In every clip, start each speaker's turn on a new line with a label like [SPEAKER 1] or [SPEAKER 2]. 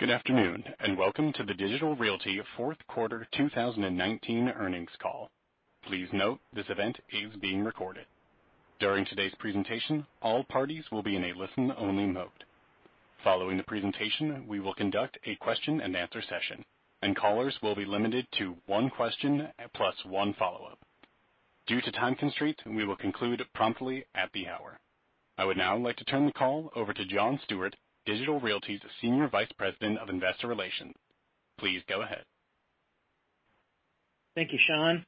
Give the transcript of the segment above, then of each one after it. [SPEAKER 1] Good afternoon. Welcome to the Digital Realty fourth quarter 2019 earnings call. Please note this event is being recorded. During today's presentation, all parties will be in a listen-only mode. Following the presentation, we will conduct a question and answer session, and callers will be limited to one question plus one follow-up. Due to time constraints, we will conclude promptly at the hour. I would now like to turn the call over to John Stewart, Digital Realty's Senior Vice President of Investor Relations. Please go ahead.
[SPEAKER 2] Thank you, Sean.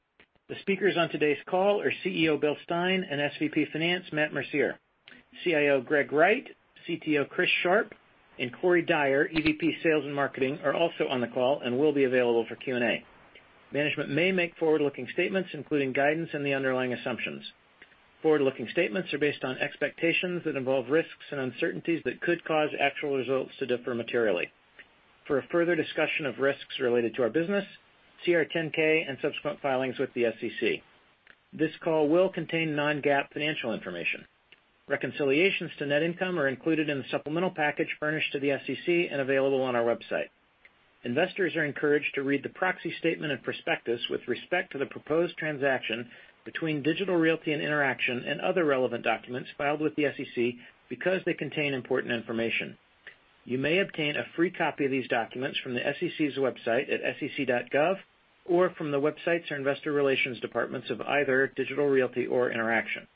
[SPEAKER 2] The speakers on today's call are CEO, Bill Stein, and SVP Finance, Matt Mercier. CIO, Greg Wright, CTO, Chris Sharp, and Corey Dyer, EVP, Sales and Marketing, are also on the call and will be available for Q&A. Management may make forward-looking statements, including guidance and the underlying assumptions. Forward-looking statements are based on expectations that involve risks and uncertainties that could cause actual results to differ materially. For a further discussion of risks related to our business, see our Form 10-K and subsequent filings with the SEC. This call will contain non-GAAP financial information. Reconciliations to net income are included in the supplemental package furnished to the SEC and available on our website. Investors are encouraged to read the proxy statement and prospectus with respect to the proposed transaction between Digital Realty and Interxion and other relevant documents filed with the SEC because they contain important information. You may obtain a free copy of these documents from the SEC's website at sec.gov or from the websites or investor relations departments of either Digital Realty or Interxion.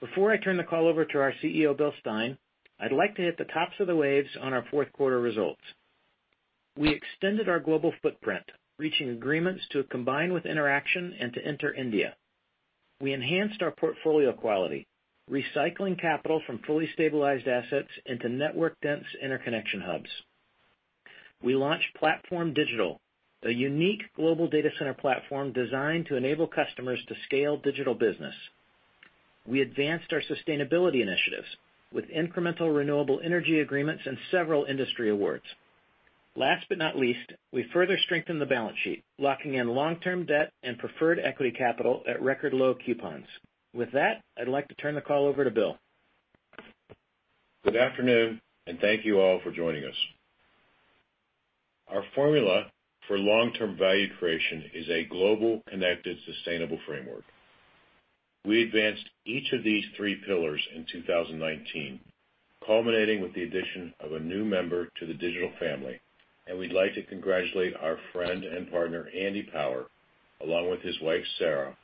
[SPEAKER 2] Before I turn the call over to our CEO, Bill Stein, I'd like to hit the tops of the waves on our fourth quarter results. We extended our global footprint, reaching agreements to combine with Interxion and to enter India. We enhanced our portfolio quality, recycling capital from fully stabilized assets into network-dense interconnection hubs. We launched PlatformDIGITAL, a unique global data center platform designed to enable customers to scale digital business. We advanced our sustainability initiatives with incremental renewable energy agreements and several industry awards. Last but not least, we further strengthened the balance sheet, locking in long-term debt and preferred equity capital at record low coupons. With that, I'd like to turn the call over to Bill.
[SPEAKER 3] Good afternoon, and thank you all for joining us. Our formula for long-term value creation is a global, connected, sustainable framework. We advanced each of these three pillars in 2019, culminating with the addition of a new member to the Digital family, and we'd like to congratulate our friend and partner, Andy Power, along with his wife, Sarah,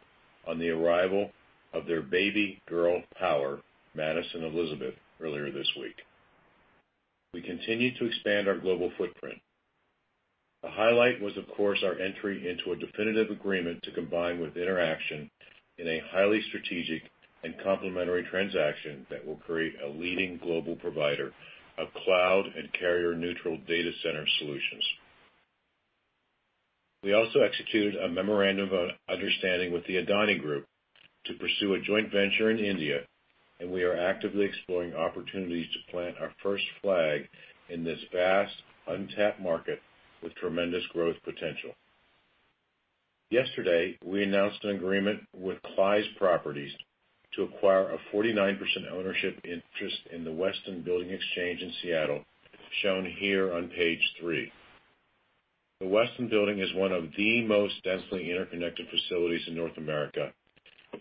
[SPEAKER 3] on the arrival of their baby girl, Power Madison Elizabeth, earlier this week. We continue to expand our global footprint. The highlight was, of course, our entry into a definitive agreement to combine with Interxion in a highly strategic and complementary transaction that will create a leading global provider of cloud and carrier-neutral data center solutions. We also executed a memorandum of understanding with the Adani Group to pursue a joint venture in India. We are actively exploring opportunities to plant our first flag in this vast, untapped market with tremendous growth potential. Yesterday, we announced an agreement with Clise Properties to acquire a 49% ownership interest in the Westin Building Exchange in Seattle, shown here on page three. The Westin Building is one of the most densely interconnected facilities in North America.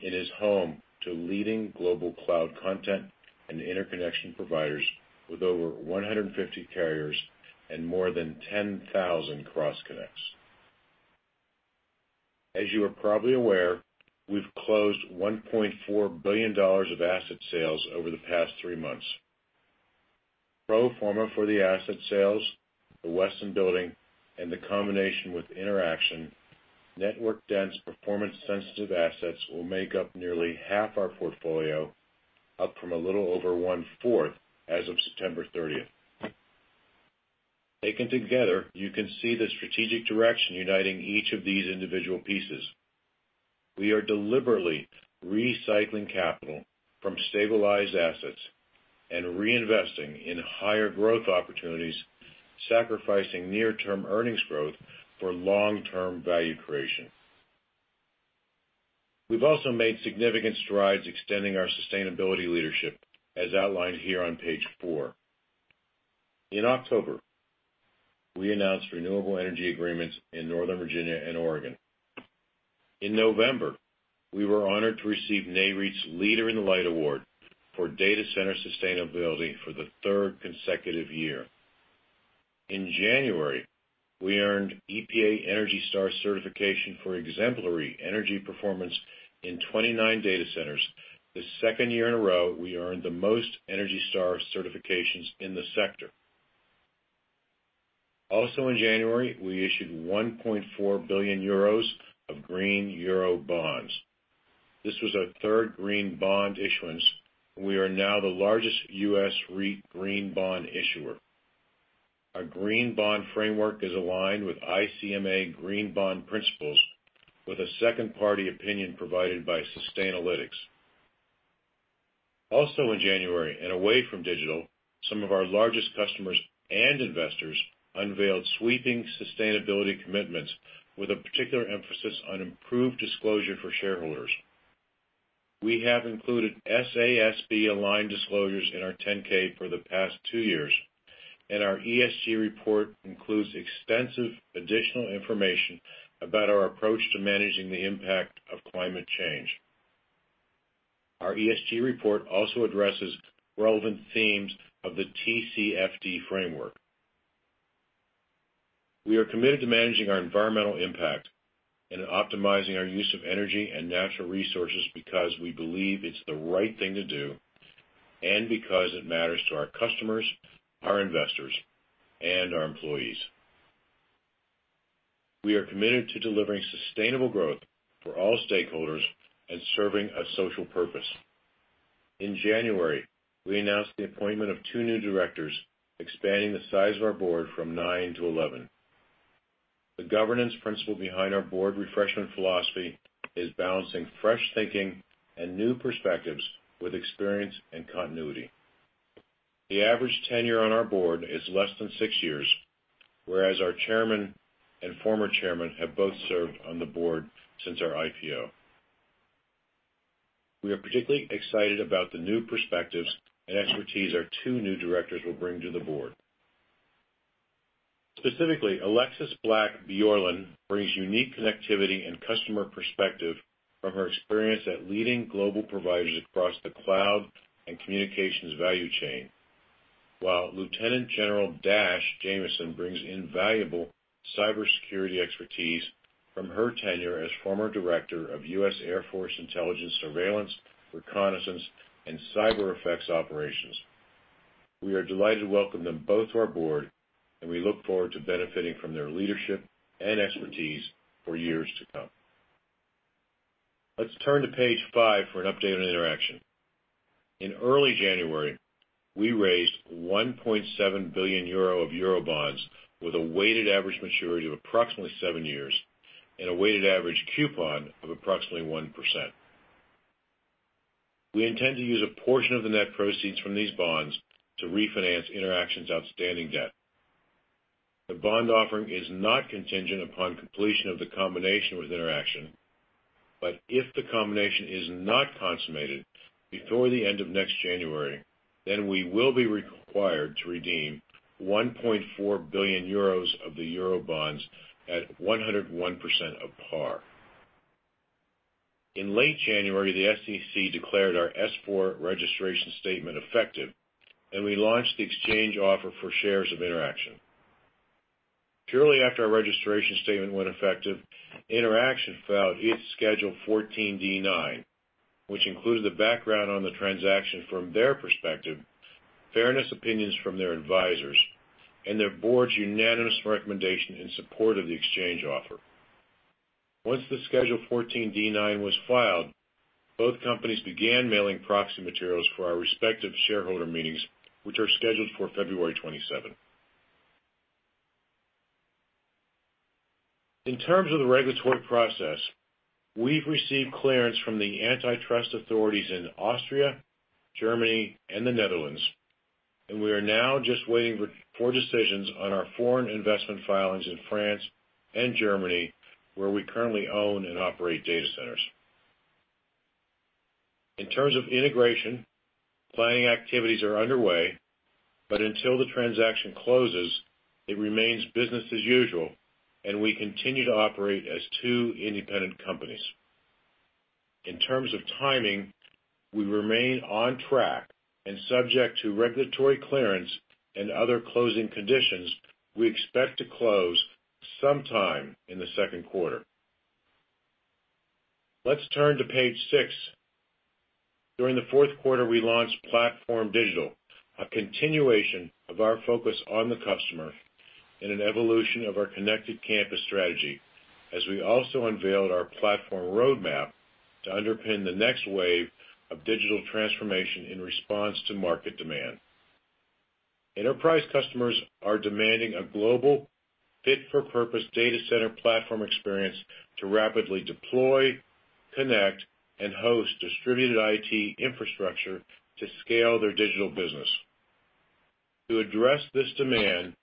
[SPEAKER 3] It is home to leading global cloud content and interconnection providers with over 150 carriers and more than 10,000 cross connects. As you are probably aware, we've closed $1.4 billion of asset sales over the past three months. Pro forma for the asset sales, the Westin Building, and the combination with Interxion, network-dense, performance-sensitive assets will make up nearly half our portfolio, up from a little over 1/4 as of September 30th. Taken together, you can see the strategic direction uniting each of these individual pieces. We are deliberately recycling capital from stabilized assets and reinvesting in higher growth opportunities, sacrificing near-term earnings growth for long-term value creation. We've also made significant strides extending our sustainability leadership, as outlined here on page four. In October, we announced renewable energy agreements in Northern Virginia and Oregon. In November, we were honored to receive Nareit's Leader in the Light award for data center sustainability for the third consecutive year. In January, we earned EPA ENERGY STAR certification for exemplary energy performance in 29 data centers, the second year in a row we earned the most ENERGY STAR certifications in the sector. Also in January, we issued 1.4 billion euros of green euro bonds. This was our third green bond issuance, we are now the largest U.S. REIT green bond issuer. Our green bond framework is aligned with ICMA Green Bond Principles with a second-party opinion provided by Sustainalytics. In January, and away from digital, some of our largest customers and investors unveiled sweeping sustainability commitments with a particular emphasis on improved disclosure for shareholders. We have included SASB-aligned disclosures in our 10-K for the past two years, and our ESG report includes extensive additional information about our approach to managing the impact of climate change. Our ESG report also addresses relevant themes of the TCFD framework. We are committed to managing our environmental impact and optimizing our use of energy and natural resources because we believe it's the right thing to do and because it matters to our customers, our investors, and our employees. We are committed to delivering sustainable growth for all stakeholders and serving a social purpose. In January, we announced the appointment of two new directors, expanding the size of our board from nine to 11. The governance principle behind our board refreshment philosophy is balancing fresh thinking and new perspectives with experience and continuity. The average tenure on our board is less than six years, whereas our chairman and former chairman have both served on the board since our IPO. We are particularly excited about the new perspectives and expertise our two new directors will bring to the board. Specifically, Alexis Black Bjorlin brings unique connectivity and customer perspective from her experience at leading global providers across the cloud and communications value chain. While Lieutenant General Dash Jamieson brings invaluable cybersecurity expertise from her tenure as former director of U.S. Air Force Intelligence, Surveillance, Reconnaissance, and Cyber Effects Operations. We are delighted to welcome them both to our board, and we look forward to benefiting from their leadership and expertise for years to come. Let's turn to page five for an update on Interxion. In early January, we raised 1.7 billion of euro bonds with a weighted average maturity of approximately seven years and a weighted average coupon of approximately 1%. We intend to use a portion of the net proceeds from these bonds to refinance Interxion's outstanding debt. The bond offering is not contingent upon completion of the combination with Interxion, but if the combination is not consummated before the end of next January, then we will be required to redeem 1.4 billion euros of the euro bonds at 101% of par. In late January, the SEC declared our S-4 registration statement effective, and we launched the exchange offer for shares of Interxion. Shortly after our registration statement went effective, Interxion filed its Schedule 14D-9, which included the background on the transaction from their perspective, fairness opinions from their advisors, and their board's unanimous recommendation in support of the exchange offer. Once the Schedule 14D-9 was filed, both companies began mailing proxy materials for our respective shareholder meetings, which are scheduled for February 27. In terms of the regulatory process, we've received clearance from the antitrust authorities in Austria, Germany, and the Netherlands, and we are now just waiting for decisions on our foreign investment filings in France and Germany, where we currently own and operate data centers. In terms of integration, planning activities are underway, but until the transaction closes, it remains business as usual, and we continue to operate as two independent companies. In terms of timing, we remain on track and subject to regulatory clearance and other closing conditions, we expect to close sometime in the second quarter. Let's turn to page six. During the fourth quarter, we launched PlatformDIGITAL, a continuation of our focus on the customer and an evolution of our Connected Campus strategy, as we also unveiled our platform roadmap to underpin the next wave of digital transformation in response to market demand. Enterprise customers are demanding a global fit-for-purpose data center platform experience to rapidly deploy, connect, and host distributed IT infrastructure to scale their digital business. To address this demand,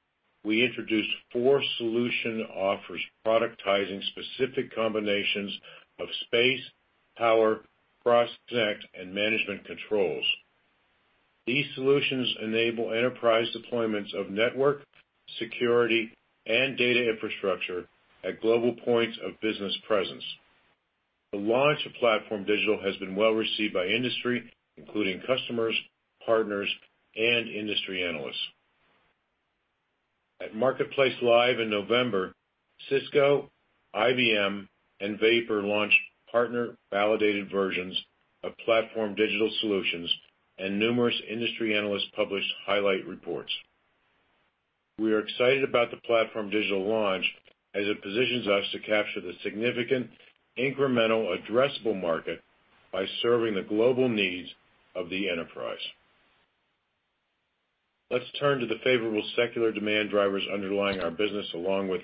[SPEAKER 3] we introduced four solution offers productizing specific combinations of space, power, cross-connect, and management controls. These solutions enable enterprise deployments of network security and data infrastructure at global points of business presence. The launch of PlatformDIGITAL has been well-received by industry, including customers, partners, and industry analysts. At MarketplaceLIVE in November, Cisco, IBM, and Vapor launched partner-validated versions of PlatformDIGITAL solutions, and numerous industry analysts published highlight reports. We are excited about the PlatformDIGITAL launch as it positions us to capture the significant incremental addressable market by serving the global needs of the enterprise. Let's turn to the favorable secular demand drivers underlying our business, along with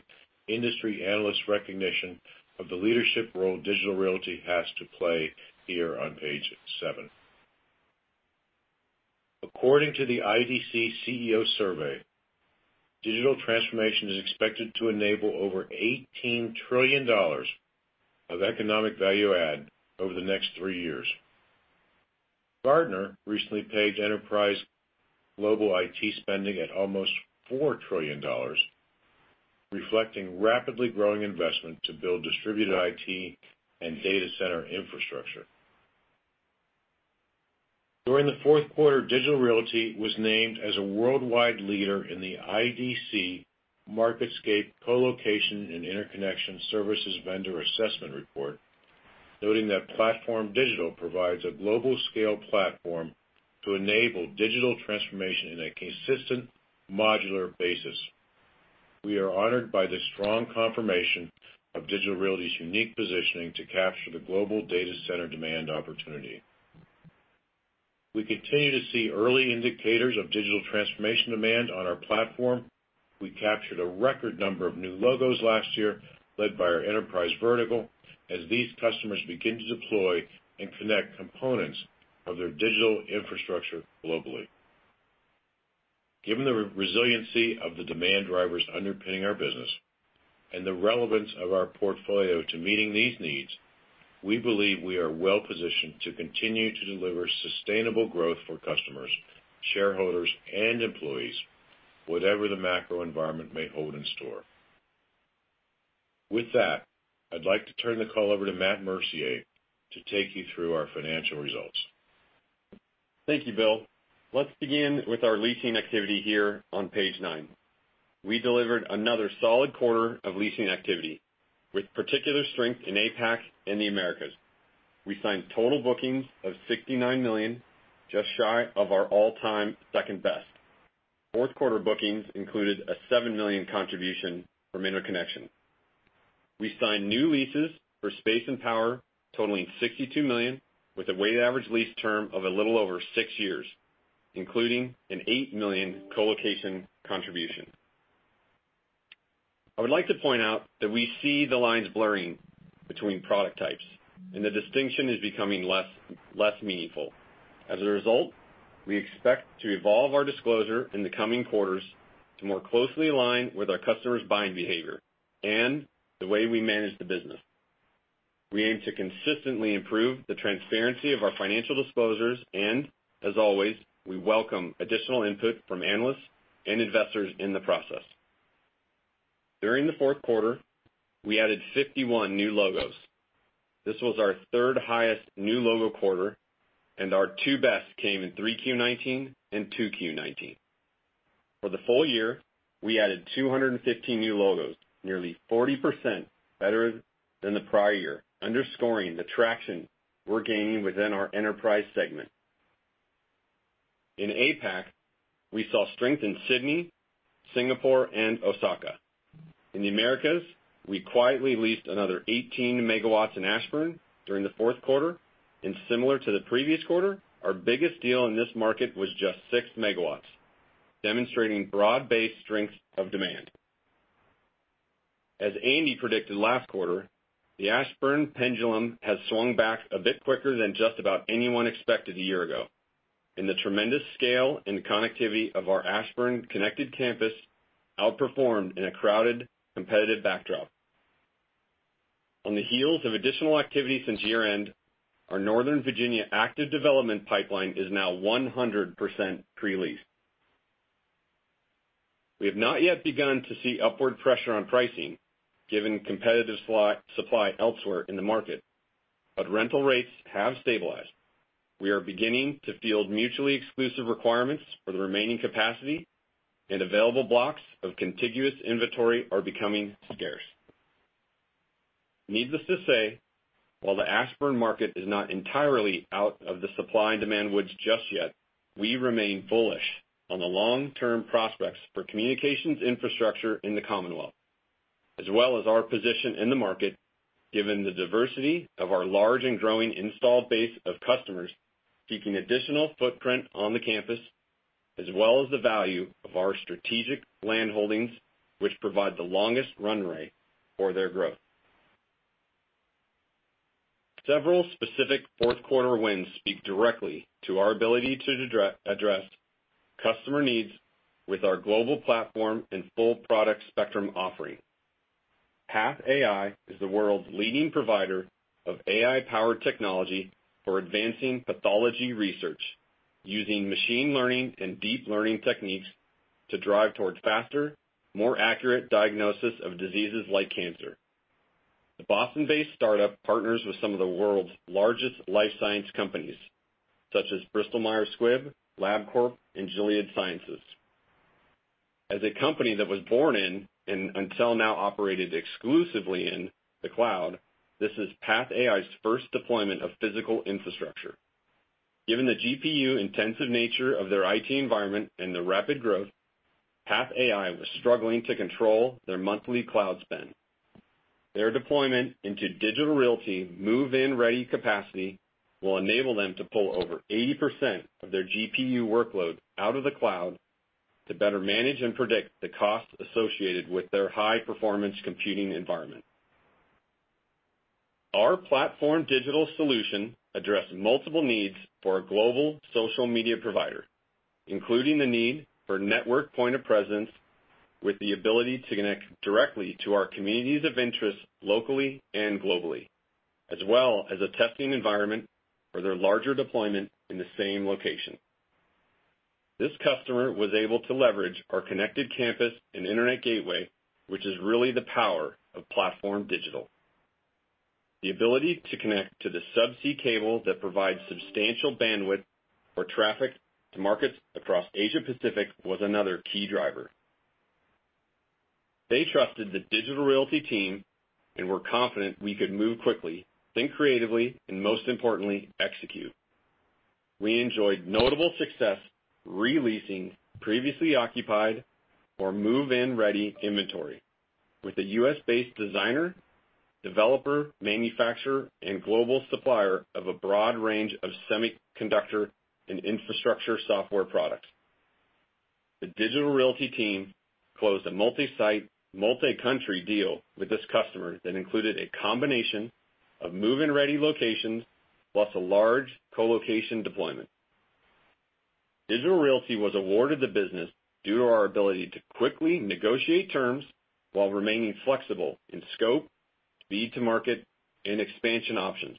[SPEAKER 3] industry analysts' recognition of the leadership role Digital Realty has to play here on page seven. According to the IDC CEO survey, digital transformation is expected to enable over $18 trillion of economic value add over the next three years. Gartner recently pegged enterprise global IT spending at almost $4 trillion, reflecting rapidly growing investment to build distributed IT and data center infrastructure. During the fourth quarter, Digital Realty was named as a Worldwide Leader in the IDC MarketScape Colocation and Interconnection Services Vendor Assessment Report, noting that PlatformDIGITAL provides a global scale platform to enable digital transformation in a consistent modular basis. We are honored by the strong confirmation of Digital Realty's unique positioning to capture the global data center demand opportunity. We continue to see early indicators of digital transformation demand on our platform. We captured a record number of new logos last year, led by our enterprise vertical, as these customers begin to deploy and connect components of their digital infrastructure globally. Given the resiliency of the demand drivers underpinning our business and the relevance of our portfolio to meeting these needs, we believe we are well positioned to continue to deliver sustainable growth for customers, shareholders, and employees, whatever the macro environment may hold in store. With that, I'd like to turn the call over to Matt Mercier to take you through our financial results.
[SPEAKER 4] Thank you, Bill. Let's begin with our leasing activity here on page nine. We delivered another solid quarter of leasing activity, with particular strength in APAC and the Americas. We signed total bookings of $69 million, just shy of our all-time second best. Fourth quarter bookings included a $7 million contribution from interconnection. We signed new leases for space and power totaling $62 million, with a weighted average lease term of a little over six years, including an $8 million colocation contribution. I would like to point out that we see the lines blurring between product types, and the distinction is becoming less meaningful. As a result, we expect to evolve our disclosure in the coming quarters to more closely align with our customers' buying behavior and the way we manage the business. We aim to consistently improve the transparency of our financial disclosures and, as always, we welcome additional input from analysts and investors in the process. During the fourth quarter, we added 51 new logos. This was our third highest new logo quarter, and our two best came in 3Q 2019 and 2Q 2019. For the full year, we added 215 new logos, nearly 40% better than the prior year, underscoring the traction we're gaining within our enterprise segment. In APAC, we saw strength in Sydney, Singapore, and Osaka. In the Americas, we quietly leased another 18 MW in Ashburn during the fourth quarter, and similar to the previous quarter, our biggest deal in this market was just 6 MW, demonstrating broad-based strength of demand. As Andy predicted last quarter, the Ashburn pendulum has swung back a bit quicker than just about anyone expected a year ago, and the tremendous scale and connectivity of our Ashburn Connected Campus outperformed in a crowded, competitive backdrop. On the heels of additional activity since year-end, our Northern Virginia active development pipeline is now 100% pre-leased. We have not yet begun to see upward pressure on pricing, given competitive supply elsewhere in the market, but rental rates have stabilized. We are beginning to field mutually exclusive requirements for the remaining capacity, and available blocks of contiguous inventory are becoming scarce. Needless to say, while the Ashburn market is not entirely out of the supply and demand woods just yet, we remain bullish on the long-term prospects for communications infrastructure in the Commonwealth, as well as our position in the market, given the diversity of our large and growing installed base of customers seeking additional footprint on the campus, as well as the value of our strategic land holdings, which provide the longest run rate for their growth. Several specific fourth quarter wins speak directly to our ability to address customer needs with our global platform and full product spectrum offering. PathAI is the world's leading provider of AI-powered technology for advancing pathology research, using machine learning and deep learning techniques to drive towards faster, more accurate diagnosis of diseases like cancer. The Boston-based startup partners with some of the world's largest life science companies, such as Bristol Myers Squibb, LabCorp, and Gilead Sciences. As a company that was born in and until now operated exclusively in the cloud, this is PathAI's first deployment of physical infrastructure. Given the GPU-intensive nature of their IT environment and the rapid growth, PathAI was struggling to control their monthly cloud spend. Their deployment into Digital Realty move-in-ready capacity will enable them to pull over 80% of their GPU workload out of the cloud to better manage and predict the costs associated with their high-performance computing environment. Our PlatformDIGITAL solution addressed multiple needs for a global social media provider, including the need for network point of presence with the ability to connect directly to our communities of interest locally and globally, as well as a testing environment for their larger deployment in the same location. This customer was able to leverage our Connected Campus and internet gateway, which is really the power of PlatformDIGITAL. The ability to connect to the subsea cable that provides substantial bandwidth for traffic to markets across Asia Pacific was another key driver. They trusted the Digital Realty team and were confident we could move quickly, think creatively, and most importantly, execute. We enjoyed notable success re-leasing previously occupied or move-in-ready inventory with a U.S.-based designer, developer, manufacturer, and global supplier of a broad range of semiconductor and infrastructure software products. The Digital Realty team closed a multi-site, multi-country deal with this customer that included a combination of move-in-ready locations, plus a large colocation deployment. Digital Realty was awarded the business due to our ability to quickly negotiate terms while remaining flexible in scope, speed to market, and expansion options.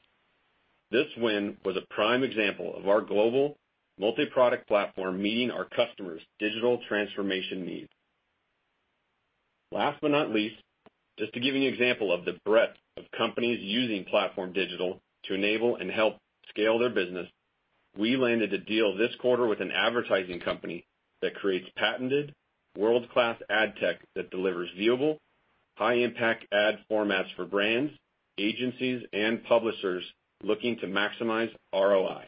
[SPEAKER 4] This win was a prime example of our global multi-product platform meeting our customers' digital transformation needs. Last but not least, just to give you an example of the breadth of companies using PlatformDIGITAL to enable and help scale their business, we landed a deal this quarter with an advertising company that creates patented world-class ad tech that delivers viewable, high-impact ad formats for brands, agencies, and publishers looking to maximize ROI.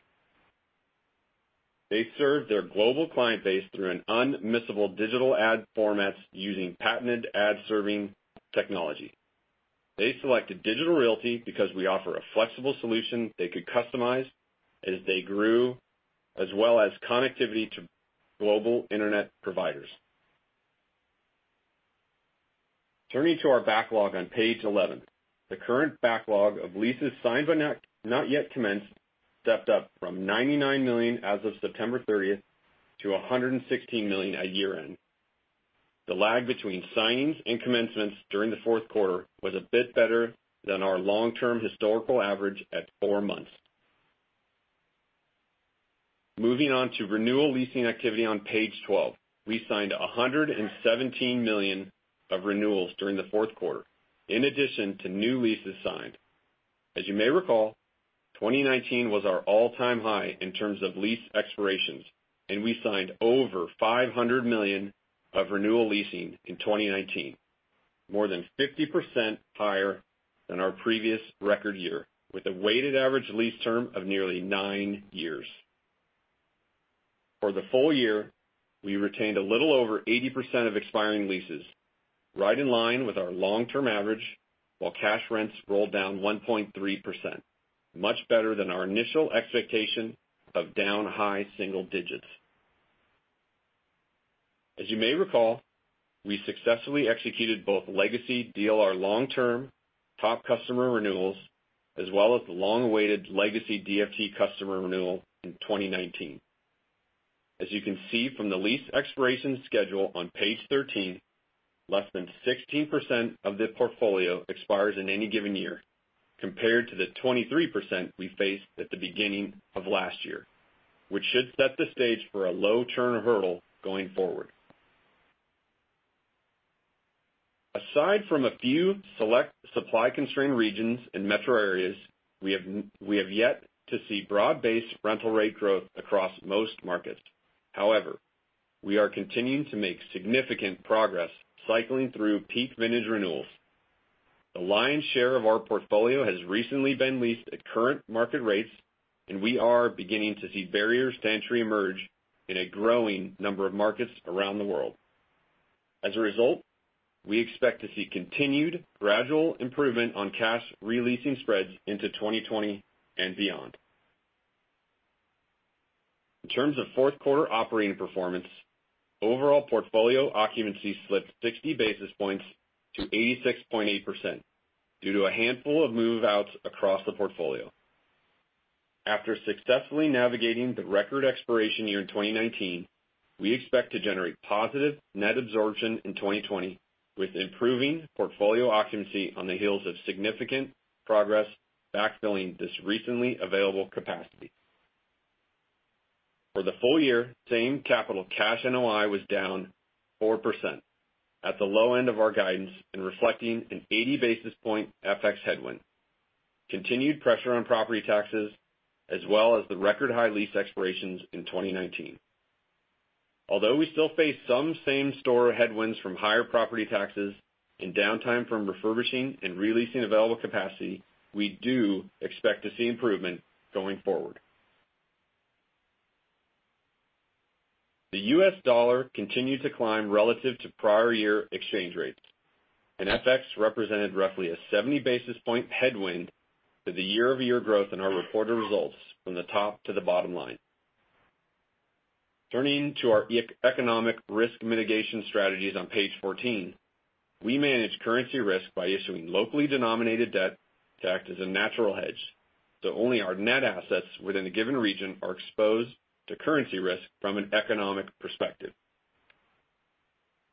[SPEAKER 4] They serve their global client base through an unmissable digital ad formats using patented ad-serving technology. They selected Digital Realty because we offer a flexible solution they could customize as they grew, as well as connectivity to global internet providers. Turning to our backlog on page 11. The current backlog of leases signed but not yet commenced stepped up from $99 million as of September 30th to $116 million at year-end. The lag between signings and commencements during the fourth quarter was a bit better than our long-term historical average at four months. Moving on to renewal leasing activity on page 12. We signed $117 million of renewals during the fourth quarter, in addition to new leases signed. As you may recall, 2019 was our all-time high in terms of lease expirations, and we signed over $500 million of renewal leasing in 2019, more than 50% higher than our previous record year, with a weighted average lease term of nearly nine years. For the full year, we retained a little over 80% of expiring leases, right in line with our long-term average, while cash rents rolled down 1.3%, much better than our initial expectation of down high single digits. As you may recall, we successfully executed both legacy DLR long-term top customer renewals, as well as the long-awaited legacy DFT customer renewal in 2019. As you can see from the lease expiration schedule on page 13, less than 16% of the portfolio expires in any given year compared to the 23% we faced at the beginning of last year, which should set the stage for a low churn hurdle going forward. Aside from a few select supply-constrained regions and metro areas, we have yet to see broad-based rental rate growth across most markets. However, we are continuing to make significant progress cycling through peak vintage renewals. The lion's share of our portfolio has recently been leased at current market rates, and we are beginning to see barriers to entry emerge in a growing number of markets around the world. As a result, we expect to see continued gradual improvement on cash re-leasing spreads into 2020 and beyond. In terms of fourth quarter operating performance, overall portfolio occupancy slipped 60 basis points to 86.8% due to a handful of move-outs across the portfolio. After successfully navigating the record expiration year in 2019, we expect to generate positive net absorption in 2020 with improving portfolio occupancy on the heels of significant progress backfilling this recently available capacity. For the full year, same capital cash NOI was down 4% at the low end of our guidance and reflecting an 80 basis point FX headwind, continued pressure on property taxes, as well as the record high lease expirations in 2019. Although we still face some same-store headwinds from higher property taxes and downtime from refurbishing and re-leasing available capacity, we do expect to see improvement going forward. The U.S. dollar continued to climb relative to prior year exchange rates, FX represented roughly a 70 basis point headwind to the year-over-year growth in our reported results from the top to the bottom line. Turning to our economic risk mitigation strategies on page 14. We manage currency risk by issuing locally denominated debt to act as a natural hedge, so only our net assets within a given region are exposed to currency risk from an economic perspective.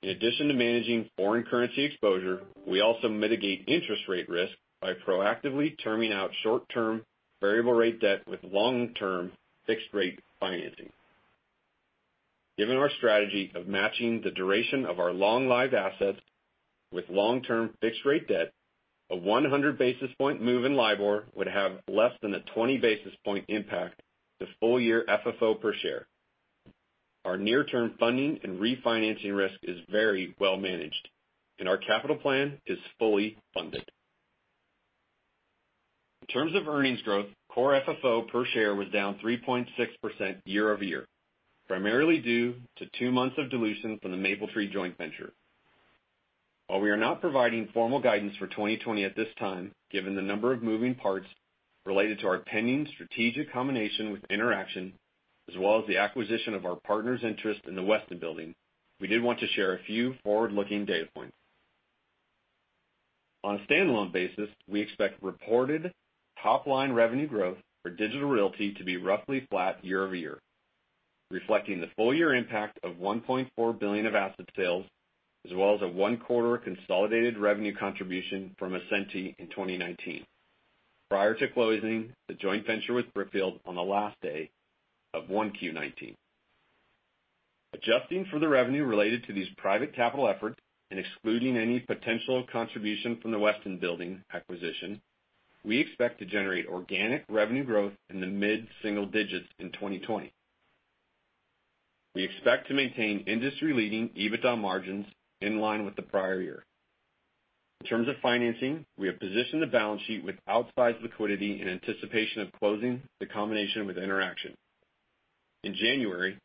[SPEAKER 4] In addition to managing foreign currency exposure, we also mitigate interest rate risk by proactively terming out short-term variable rate debt with long-term fixed rate financing. Given our strategy of matching the duration of our long-lived assets with long-term fixed rate debt, a 100 basis point move in LIBOR would have less than a 20 basis point impact to full year FFO per share. Our near-term funding and refinancing risk is very well managed, and our capital plan is fully funded. In terms of earnings growth, core FFO per share was down 3.6% year-over-year, primarily due to two months of dilution from the Mapletree joint venture. While we are not providing formal guidance for 2020 at this time, given the number of moving parts related to our pending strategic combination with Interxion, as well as the acquisition of our partner's interest in the Westin Building, we did want to share a few forward-looking data points. On a standalone basis, we expect reported top-line revenue growth for Digital Realty to be roughly flat year-over-year, reflecting the full year impact of $1.4 billion of asset sales, as well as a one-quarter consolidated revenue contribution from Ascenty in 2019, prior to closing the joint venture with Brookfield on the last day of 1Q 2019. Adjusting for the revenue related to these private capital efforts and excluding any potential contribution from the Westin Building acquisition, we expect to generate organic revenue growth in the mid-single digits in 2020. We expect to maintain industry-leading EBITDA margins in line with the prior year. In terms of financing, we have positioned the balance sheet with outsized liquidity in anticipation of closing the combination with Interxion. In January,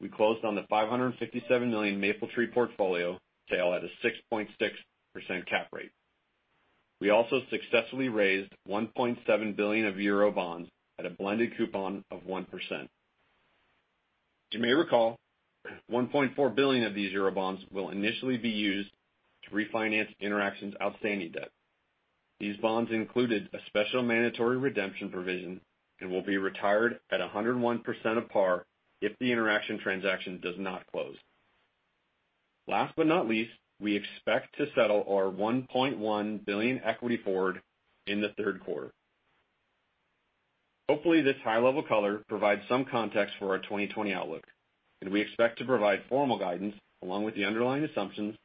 [SPEAKER 4] we closed on the $557 million Mapletree portfolio sale at a 6.6% cap rate. We also successfully raised 1.7 billion of Eurobonds at a blended coupon of 1%. As you may recall, 1.4 billion of these Eurobonds will initially be used to refinance Interxion's outstanding debt. These bonds included a special mandatory redemption provision and will be retired at 101% of par if the Interxion transaction does not close. Last but not least, we expect to settle our $1.1 billion equity forward in the third quarter. Hopefully, this high-level color provides some context for our 2020 outlook, and we expect to provide formal guidance along with the underlying assumptions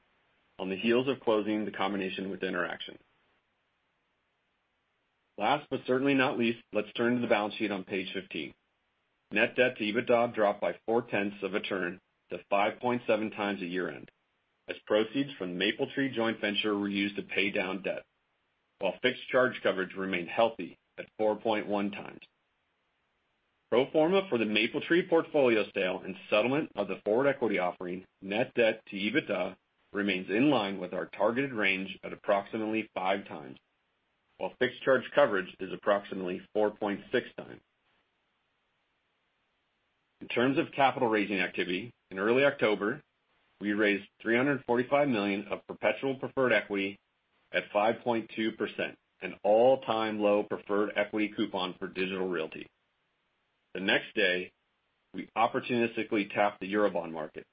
[SPEAKER 4] on the heels of closing the combination with Interxion. Last but certainly not least, let's turn to the balance sheet on page 15. Net debt to EBITDA dropped by four-tenths of a turn to 5.7x at year-end as proceeds from Mapletree joint venture were used to pay down debt, while fixed charge coverage remained healthy at 4.1x. Pro forma for the Mapletree portfolio sale and settlement of the forward equity offering, net debt to EBITDA remains in line with our targeted range at approximately 5x, while fixed charge coverage is approximately 4.6x. In terms of capital raising activity, in early October, we raised $345 million of perpetual preferred equity at 5.2%, an all-time low preferred equity coupon for Digital Realty. The next day, we opportunistically tapped the Eurobond market,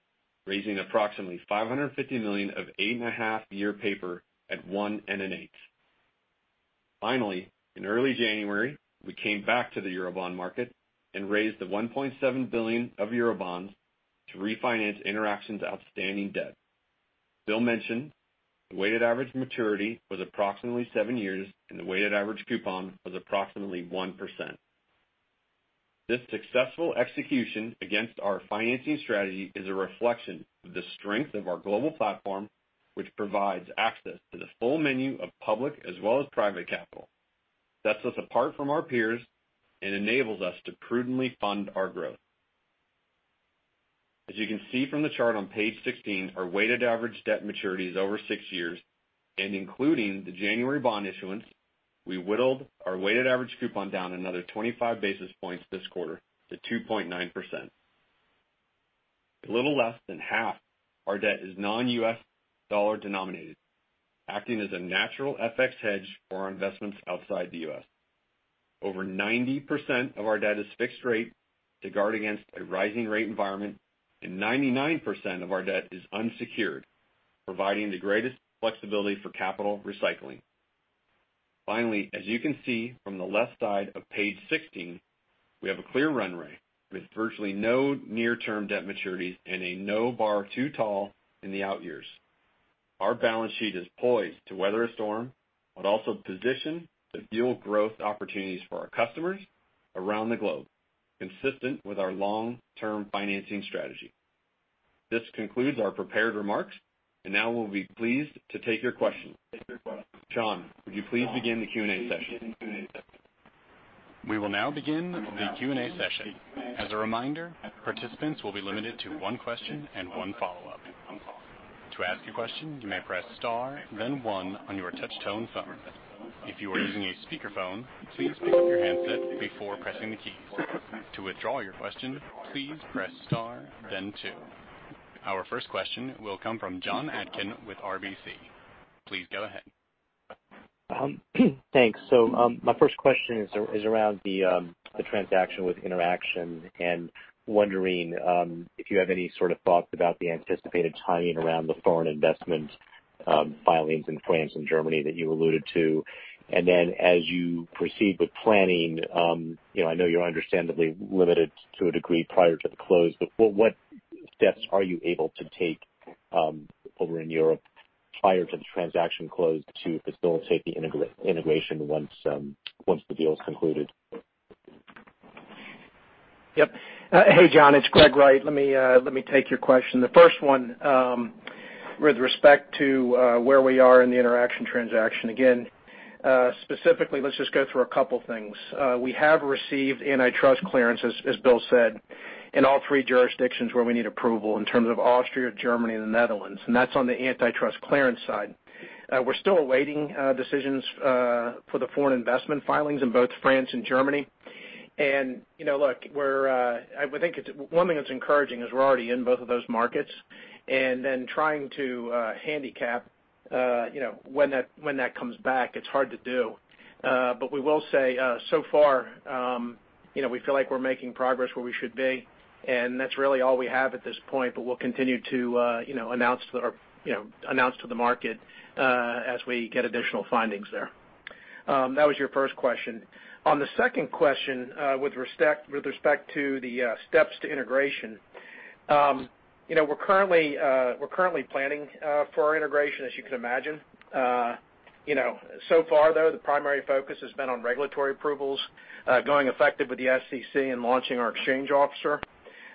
[SPEAKER 4] raising approximately $550 million of 8.5-year paper at 1.125%. In early January, we came back to the Eurobond market and raised the $1.7 billion of Eurobonds to refinance Interxion's outstanding debt. Bill mentioned the weighted average maturity was approximately seven years, and the weighted average coupon was approximately 1%. This successful execution against our financing strategy is a reflection of the strength of our global platform, which provides access to the full menu of public as well as private capital, sets us apart from our peers and enables us to prudently fund our growth. As you can see from the chart on page 16, our weighted average debt maturity is over six years. Including the January bond issuance, we whittled our weighted average coupon down another 25 basis points this quarter to 2.9%. A little less than half our debt is non-U.S. dollar denominated, acting as a natural FX hedge for our investments outside the U.S. Over 90% of our debt is fixed rate to guard against a rising rate environment, and 99% of our debt is unsecured, providing the greatest flexibility for capital recycling. Finally, as you can see from the left side of page 16, we have a clear runway with virtually no near-term debt maturities and a no bar too tall in the out years. Our balance sheet is poised to weather a storm, but also positioned to fuel growth opportunities for our customers around the globe, consistent with our long-term financing strategy. That's conclude our prepared remarks. Now we'll be pleased to take your questions. Sean, would you please begin the Q&A session?
[SPEAKER 1] We will now begin the Q&A session. As a reminder, participants will be limited to one question and one follow-up. To ask a question, you may press star then one on your touch-tone phone. If you are using a speakerphone, please pick up your handset before pressing the keys. To withdraw your question, please press star then two. Our first question will come from Jon Atkin with RBC. Please go ahead.
[SPEAKER 5] Thanks. My first question is around the transaction with Interxion and wondering if you have any sort of thoughts about the anticipated timing around the foreign investment filings in France and Germany that you alluded to. Then as you proceed with planning, I know you're understandably limited to a degree prior to the close, but what steps are you able to take over in Europe prior to the transaction close to facilitate the integration once the deal's concluded?
[SPEAKER 6] Yep. Hey, Jon, it's Gregory Wright. Let me take your question. The first one with respect to where we are in the Interxion transaction. Specifically, let's just go through a couple things. We have received antitrust clearance, as Bill said, in all three jurisdictions where we need approval in terms of Austria, Germany, and the Netherlands, and that's on the antitrust clearance side. We're still awaiting decisions for the foreign investment filings in both France and Germany. Look, one thing that's encouraging is we're already in both of those markets. Trying to handicap when that comes back, it's hard to do. We will say, so far, we feel like we're making progress where we should be, and that's really all we have at this point. We'll continue to announce to the market as we get additional findings there. That was your first question. On the second question, with respect to the steps to integration. We're currently planning for our integration, as you can imagine. Far, though, the primary focus has been on regulatory approvals, going effective with the SEC and launching our exchange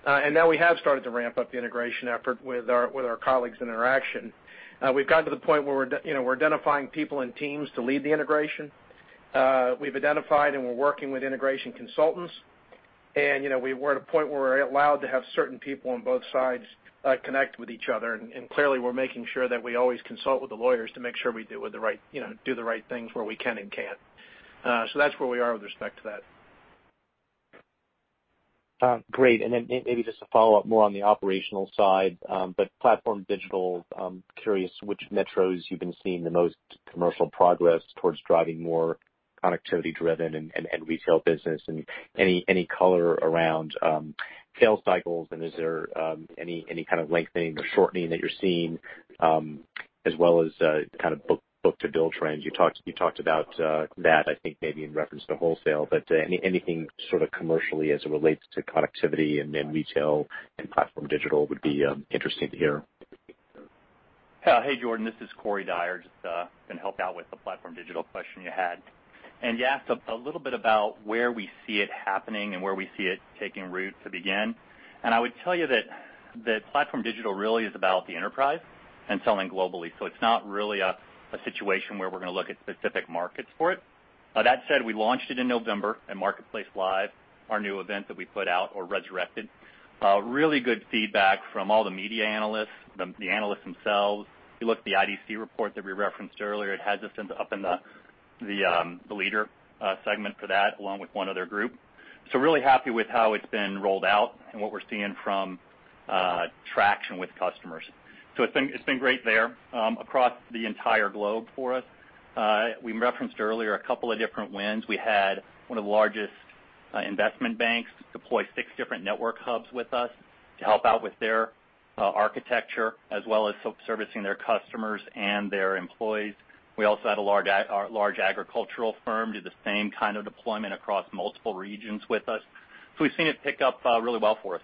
[SPEAKER 6] offer. Now we have started to ramp up the integration effort with our colleagues in Interxion. We've gotten to the point where we're identifying people and teams to lead the integration. We've identified and we're working with integration consultants, and we're at a point where we're allowed to have certain people on both sides connect with each other, and clearly, we're making sure that we always consult with the lawyers to make sure we do the right things where we can and can't. That's where we are with respect to that.
[SPEAKER 5] Great. Then maybe just to follow up more on the operational side, but PlatformDIGITAL, curious which metros you've been seeing the most commercial progress towards driving more connectivity driven and retail business and any color around sales cycles and is there any kind of lengthening or shortening that you're seeing, as well as kind of book to bill trends. You talked about that, I think maybe in reference to wholesale, but anything sort of commercially as it relates to connectivity and retail and PlatformDIGITAL would be interesting to hear.
[SPEAKER 7] Hey, Jordan. This is Corey Dyer. Just going to help out with the PlatformDIGITAL question you had. You asked a little bit about where we see it happening and where we see it taking root to begin, I would tell you that PlatformDIGITAL really is about the enterprise and selling globally. It's not really a situation where we're going to look at specific markets for it. That said, we launched it in November at MarketplaceLIVE, our new event that we put out or resurrected. Really good feedback from all the media analysts, the analysts themselves. If you look at the IDC report that we referenced earlier, it has us up in the leader segment for that, along with one other group. Really happy with how it's been rolled out and what we're seeing from traction with customers. It's been great there across the entire globe for us. We referenced earlier a couple of different wins. We had one of the largest investment banks deploy six different network hubs with us to help out with their architecture, as well as servicing their customers and their employees. We also had a large agricultural firm do the same kind of deployment across multiple regions with us. We've seen it pick up really well for us.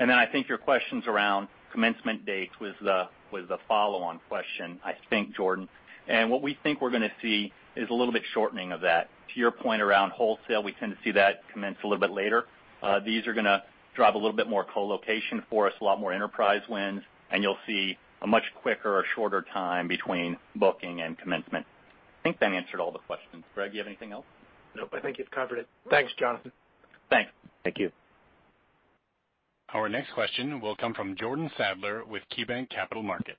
[SPEAKER 7] I think your questions around commencement dates was the follow-on question, I think, Jordan. What we think we're going to see is a little bit shortening of that. To your point around wholesale, we tend to see that commence a little bit later. These are going to drive a little bit more colocation for us, a lot more enterprise wins, and you'll see a much quicker or shorter time between booking and commencement. I think that answered all the questions. Greg, you have anything else?
[SPEAKER 6] Nope. I think you've covered it. Thanks, Jonathan.
[SPEAKER 7] Thanks.
[SPEAKER 5] Thank you.
[SPEAKER 1] Our next question will come from Jordan Sadler with KeyBanc Capital Markets.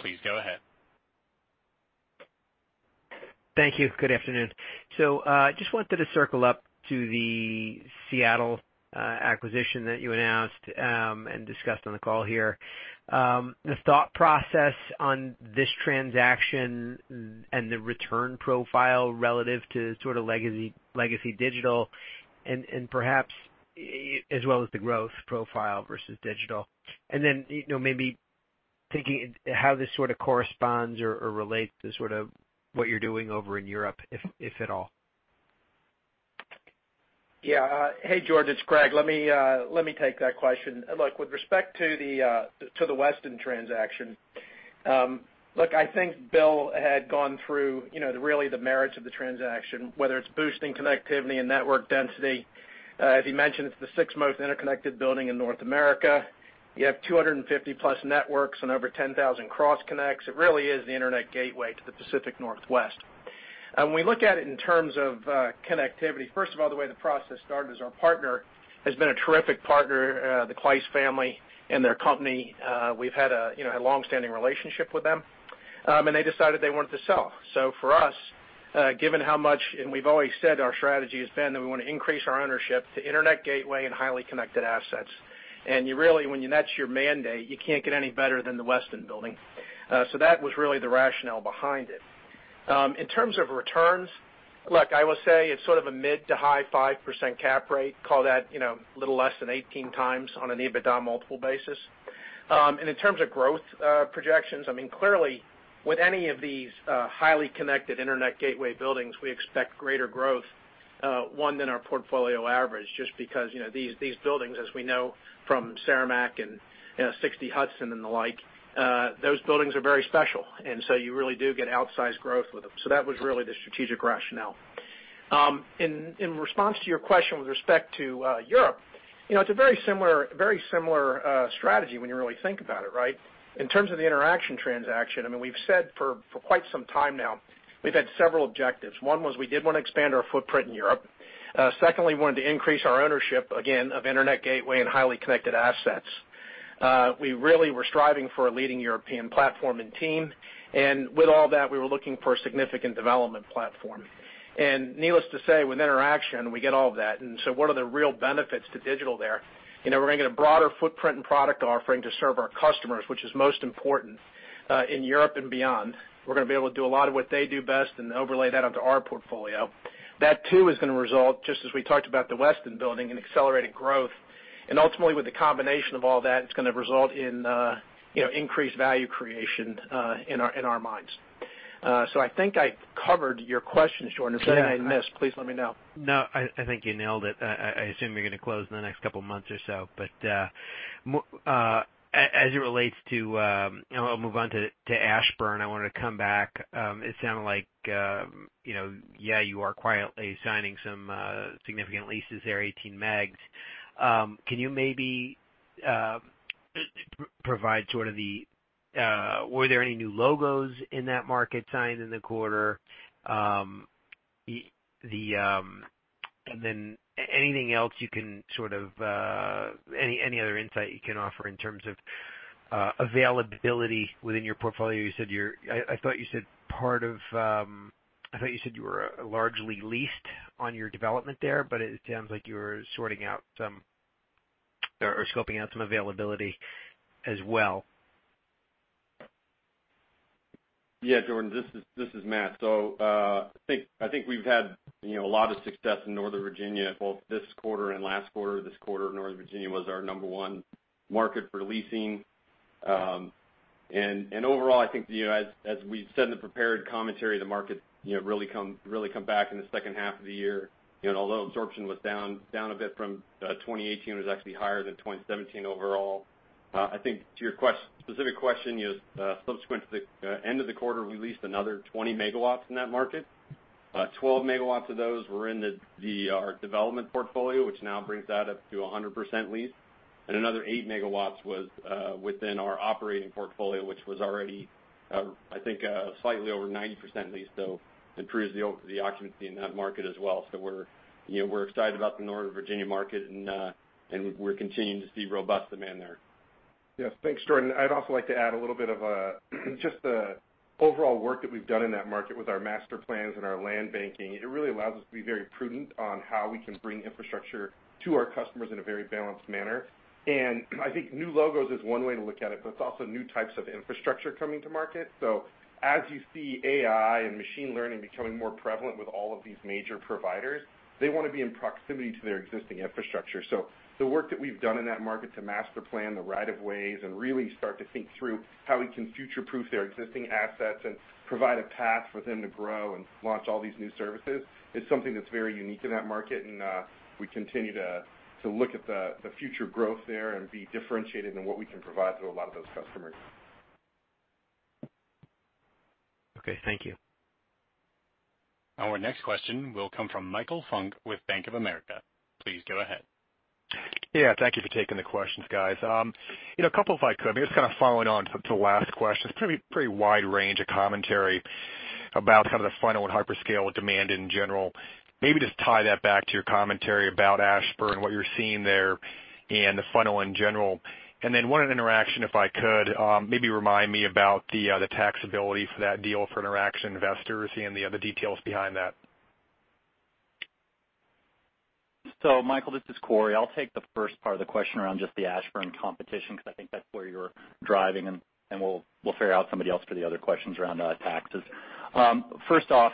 [SPEAKER 1] Please go ahead.
[SPEAKER 8] Thank you. Good afternoon. Just wanted to circle up to the Seattle acquisition that you announced and discussed on the call here. The thought process on this transaction and the return profile relative to sort of legacy Digital and perhaps as well as the growth profile versus Digital. Maybe thinking how this sort of corresponds or relates to sort of what you're doing over in Europe, if at all.
[SPEAKER 6] Yeah. Hey, Jordan, it's Greg. Let me take that question. Look, with respect to the Westin transaction. Look, I think Bill had gone through really the merits of the transaction, whether it's boosting connectivity and network density. As he mentioned, it's the sixth most interconnected building in North America. You have 250+ networks and over 10,000 cross connects. It really is the internet gateway to the Pacific Northwest. We look at it in terms of connectivity. First of all, the way the process started is our partner has been a terrific partner, the Clise family and their company. We've had a long-standing relationship with them. They decided they wanted to sell. For us, given how much, and we've always said our strategy has been that we want to increase our ownership to internet gateway and highly connected assets. Really, when that's your mandate, you can't get any better than the Westin Building. That was really the rationale behind it. In terms of returns, look, I will say it's sort of a mid to high 5% cap rate. Call that a little less than 18x on an EBITDA multiple basis. In terms of growth projections, clearly, with any of these highly connected internet gateway buildings, we expect greater growth, one, than our portfolio average, just because these buildings, as we know from Cermak and 60 Hudson and the like, those buildings are very special, you really do get outsized growth with them. That was really the strategic rationale. In response to your question with respect to Europe, it's a very similar strategy when you really think about it, right? In terms of the Interxion transaction, we've said for quite some time now, we've had several objectives. One was we did want to expand our footprint in Europe. Secondly, we wanted to increase our ownership, again, of internet gateway and highly connected assets. We really were striving for a leading European platform and team. With all that, we were looking for a significant development platform. Needless to say, with Interxion, we get all of that. What are the real benefits to Digital there? We're going to get a broader footprint and product offering to serve our customers, which is most important in Europe and beyond. We're going to be able to do a lot of what they do best and overlay that onto our portfolio. That too is going to result, just as we talked about the Westin Building, in accelerated growth. Ultimately, with the combination of all that, it's going to result in increased value creation in our minds. I think I covered your question, Jordan. If there's anything I missed, please let me know.
[SPEAKER 8] No, I think you nailed it. I assume you're going to close in the next couple of months or so. I'll move on to Ashburn. I wanted to come back. It sounded like, yeah, you are quietly signing some significant leases there, 18 MW. Were there any new logos in that market signed in the quarter? Any other insight you can offer in terms of availability within your portfolio? I thought you said you were largely leased on your development there, but it sounds like you're sorting out some or scoping out some availability as well.
[SPEAKER 4] Yeah, Jordan, this is Matt. I think we've had a lot of success in Northern Virginia, both this quarter and last quarter. This quarter, Northern Virginia was our number one market for leasing. Overall, I think as we said in the prepared commentary, the market really come back in the second half of the year. Although absorption was down a bit from 2018, it was actually higher than 2017 overall. I think to your specific question, subsequent to the end of the quarter, we leased another 20 MW in that market. 12 MW of those were in our development portfolio, which now brings that up to 100% leased. Another 8 MW was within our operating portfolio, which was already, I think, slightly over 90% leased, so improves the occupancy in that market as well. We're excited about the Northern Virginia market, and we're continuing to see robust demand there.
[SPEAKER 9] Yes. Thanks, Jordan. I'd also like to add a little bit of just the overall work that we've done in that market with our master plans and our land banking. It really allows us to be very prudent on how we can bring infrastructure to our customers in a very balanced manner. I think new logos is one way to look at it, but it's also new types of infrastructure coming to market. As you see AI and machine learning becoming more prevalent with all of these major providers, they want to be in proximity to their existing infrastructure. The work that we've done in that market to master plan the rights-of-way and really start to think through how we can future-proof their existing assets and provide a path for them to grow and launch all these new services is something that's very unique in that market. We continue to look at the future growth there and be differentiated in what we can provide to a lot of those customers.
[SPEAKER 8] Okay. Thank you.
[SPEAKER 1] Our next question will come from Michael Funk with Bank of America. Please go ahead.
[SPEAKER 10] Yeah, thank you for taking the questions, guys. A couple if I could. Maybe just kind of following on to the last question. It's pretty wide range of commentary about kind of the funnel and hyperscale demand in general. Maybe just tie that back to your commentary about Ashburn, what you're seeing there, and the funnel in general? Then one on Interxion, if I could. Maybe remind me about the taxability for that deal for Interxion investors and the other details behind that?
[SPEAKER 7] Michael, this is Corey. I'll take the first part of the question around just the Ashburn competition because I think that's where you're driving, and we'll figure out somebody else for the other questions around taxes. First off,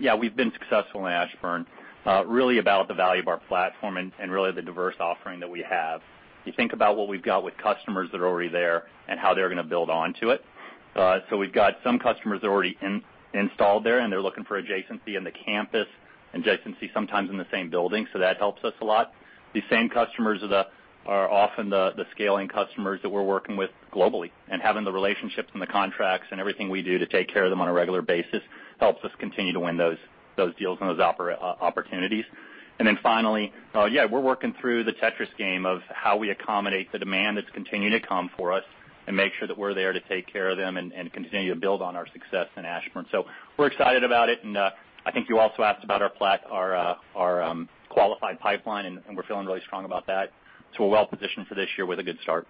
[SPEAKER 7] yeah, we've been successful in Ashburn, really about the value of our platform and really the diverse offering that we have. You think about what we've got with customers that are already there and how they're going to build onto it. We've got some customers that are already installed there, and they're looking for adjacency in the campus, adjacency sometimes in the same building, so that helps us a lot. These same customers are often the scaling customers that we're working with globally. Having the relationships and the contracts and everything we do to take care of them on a regular basis helps us continue to win those deals and those opportunities. Finally, we're working through the Tetris game of how we accommodate the demand that's continuing to come for us and make sure that we're there to take care of them and continue to build on our success in Ashburn. We're excited about it, and I think you also asked about our qualified pipeline, and we're feeling really strong about that. We're well-positioned for this year with a good start.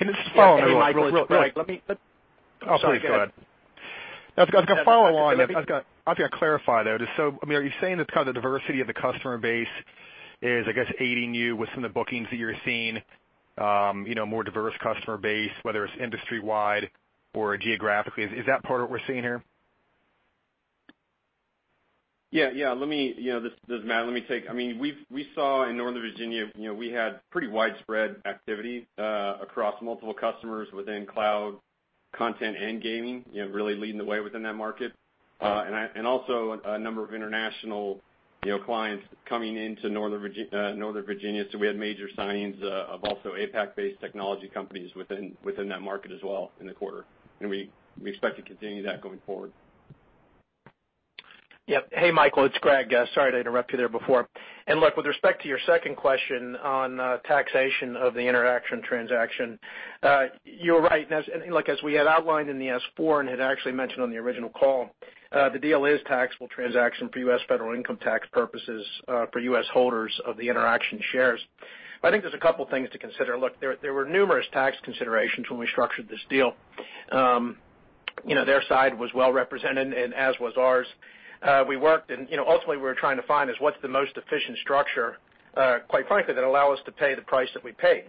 [SPEAKER 6] Just to follow on that real quick. Hey, Michael. Oh, sorry, go ahead.
[SPEAKER 10] Oh, please go ahead. I was going to follow along. I think I clarify though, are you saying that because the diversity of the customer base is, I guess, aiding you with some of the bookings that you're seeing, more diverse customer base, whether it's industry wide or geographically? Is that part of what we're seeing here?
[SPEAKER 4] Yeah. This is Matt. We saw in Northern Virginia, we had pretty widespread activity, across multiple customers within cloud content and gaming, really leading the way within that market. Also a number of international clients coming into Northern Virginia. We had major signings of also APAC-based technology companies within that market as well in the quarter. We expect to continue that going forward.
[SPEAKER 6] Yep. Hey, Michael, it's Greg. Sorry to interrupt you there before. Look, with respect to your second question on taxation of the Interxion transaction, you're right. Look, as we had outlined in the S-4 and had actually mentioned on the original call, the deal is taxable transaction for U.S. federal income tax purposes, for U.S. holders of the Interxion shares. I think there's a couple things to consider. Look, there were numerous tax considerations when we structured this deal. Their side was well represented and as was ours. We worked, and ultimately we were trying to find is what's the most efficient structure, quite frankly, that allow us to pay the price that we paid.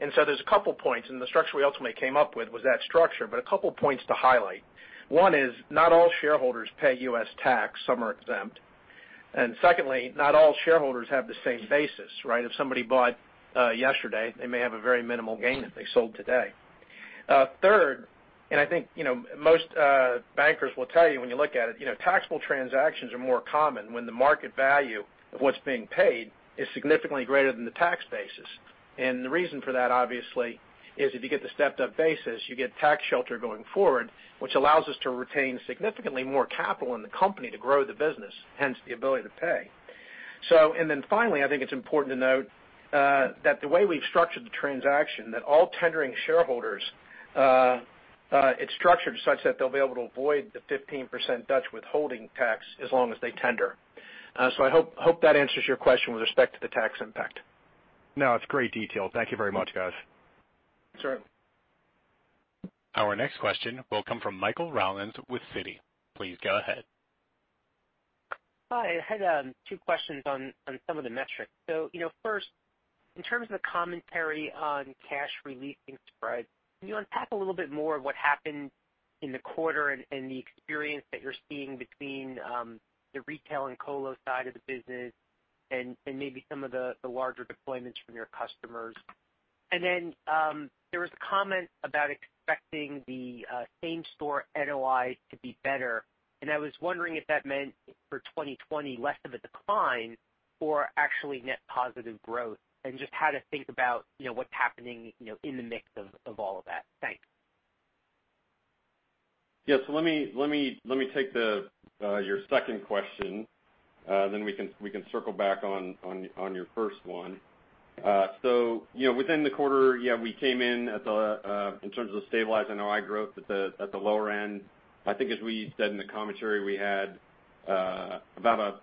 [SPEAKER 6] There's a couple points, and the structure we ultimately came up with was that structure, but a couple points to highlight. One is not all shareholders pay U.S. tax. Some are exempt. Secondly, not all shareholders have the same basis, right? If somebody bought yesterday, they may have a very minimal gain if they sold today. Third, and I think, most bankers will tell you when you look at it, taxable transactions are more common when the market value of what's being paid is significantly greater than the tax basis. The reason for that, obviously, is if you get the stepped-up basis, you get tax shelter going forward, which allows us to retain significantly more capital in the company to grow the business, hence the ability to pay. Finally, I think it's important to note, that the way we've structured the transaction, that all tendering shareholders, it's structured such that they'll be able to avoid the 15% Dutch withholding tax as long as they tender. I hope that answers your question with respect to the tax impact.
[SPEAKER 10] No, it's great detail. Thank you very much, guys.
[SPEAKER 6] Sure.
[SPEAKER 1] Our next question will come from Michael Rollins with Citi. Please go ahead.
[SPEAKER 11] Hi. I had two questions on some of the metrics. First, in terms of the commentary on cash re-leasing spread, can you unpack a little bit more of what happened in the quarter and the experience that you're seeing between the retail and Colo side of the business and maybe some of the larger deployments from your customers? There was a comment about expecting the same store NOI to be better, and I was wondering if that meant for 2020 less of a decline or actually net positive growth, and just how to think about what's happening in the mix of all of that. Thanks.
[SPEAKER 4] Yeah. Let me take your second question, then we can circle back on your first one. Within the quarter, yeah, we came in terms of stabilized NOI growth at the lower end. I think as we said in the commentary, we had about a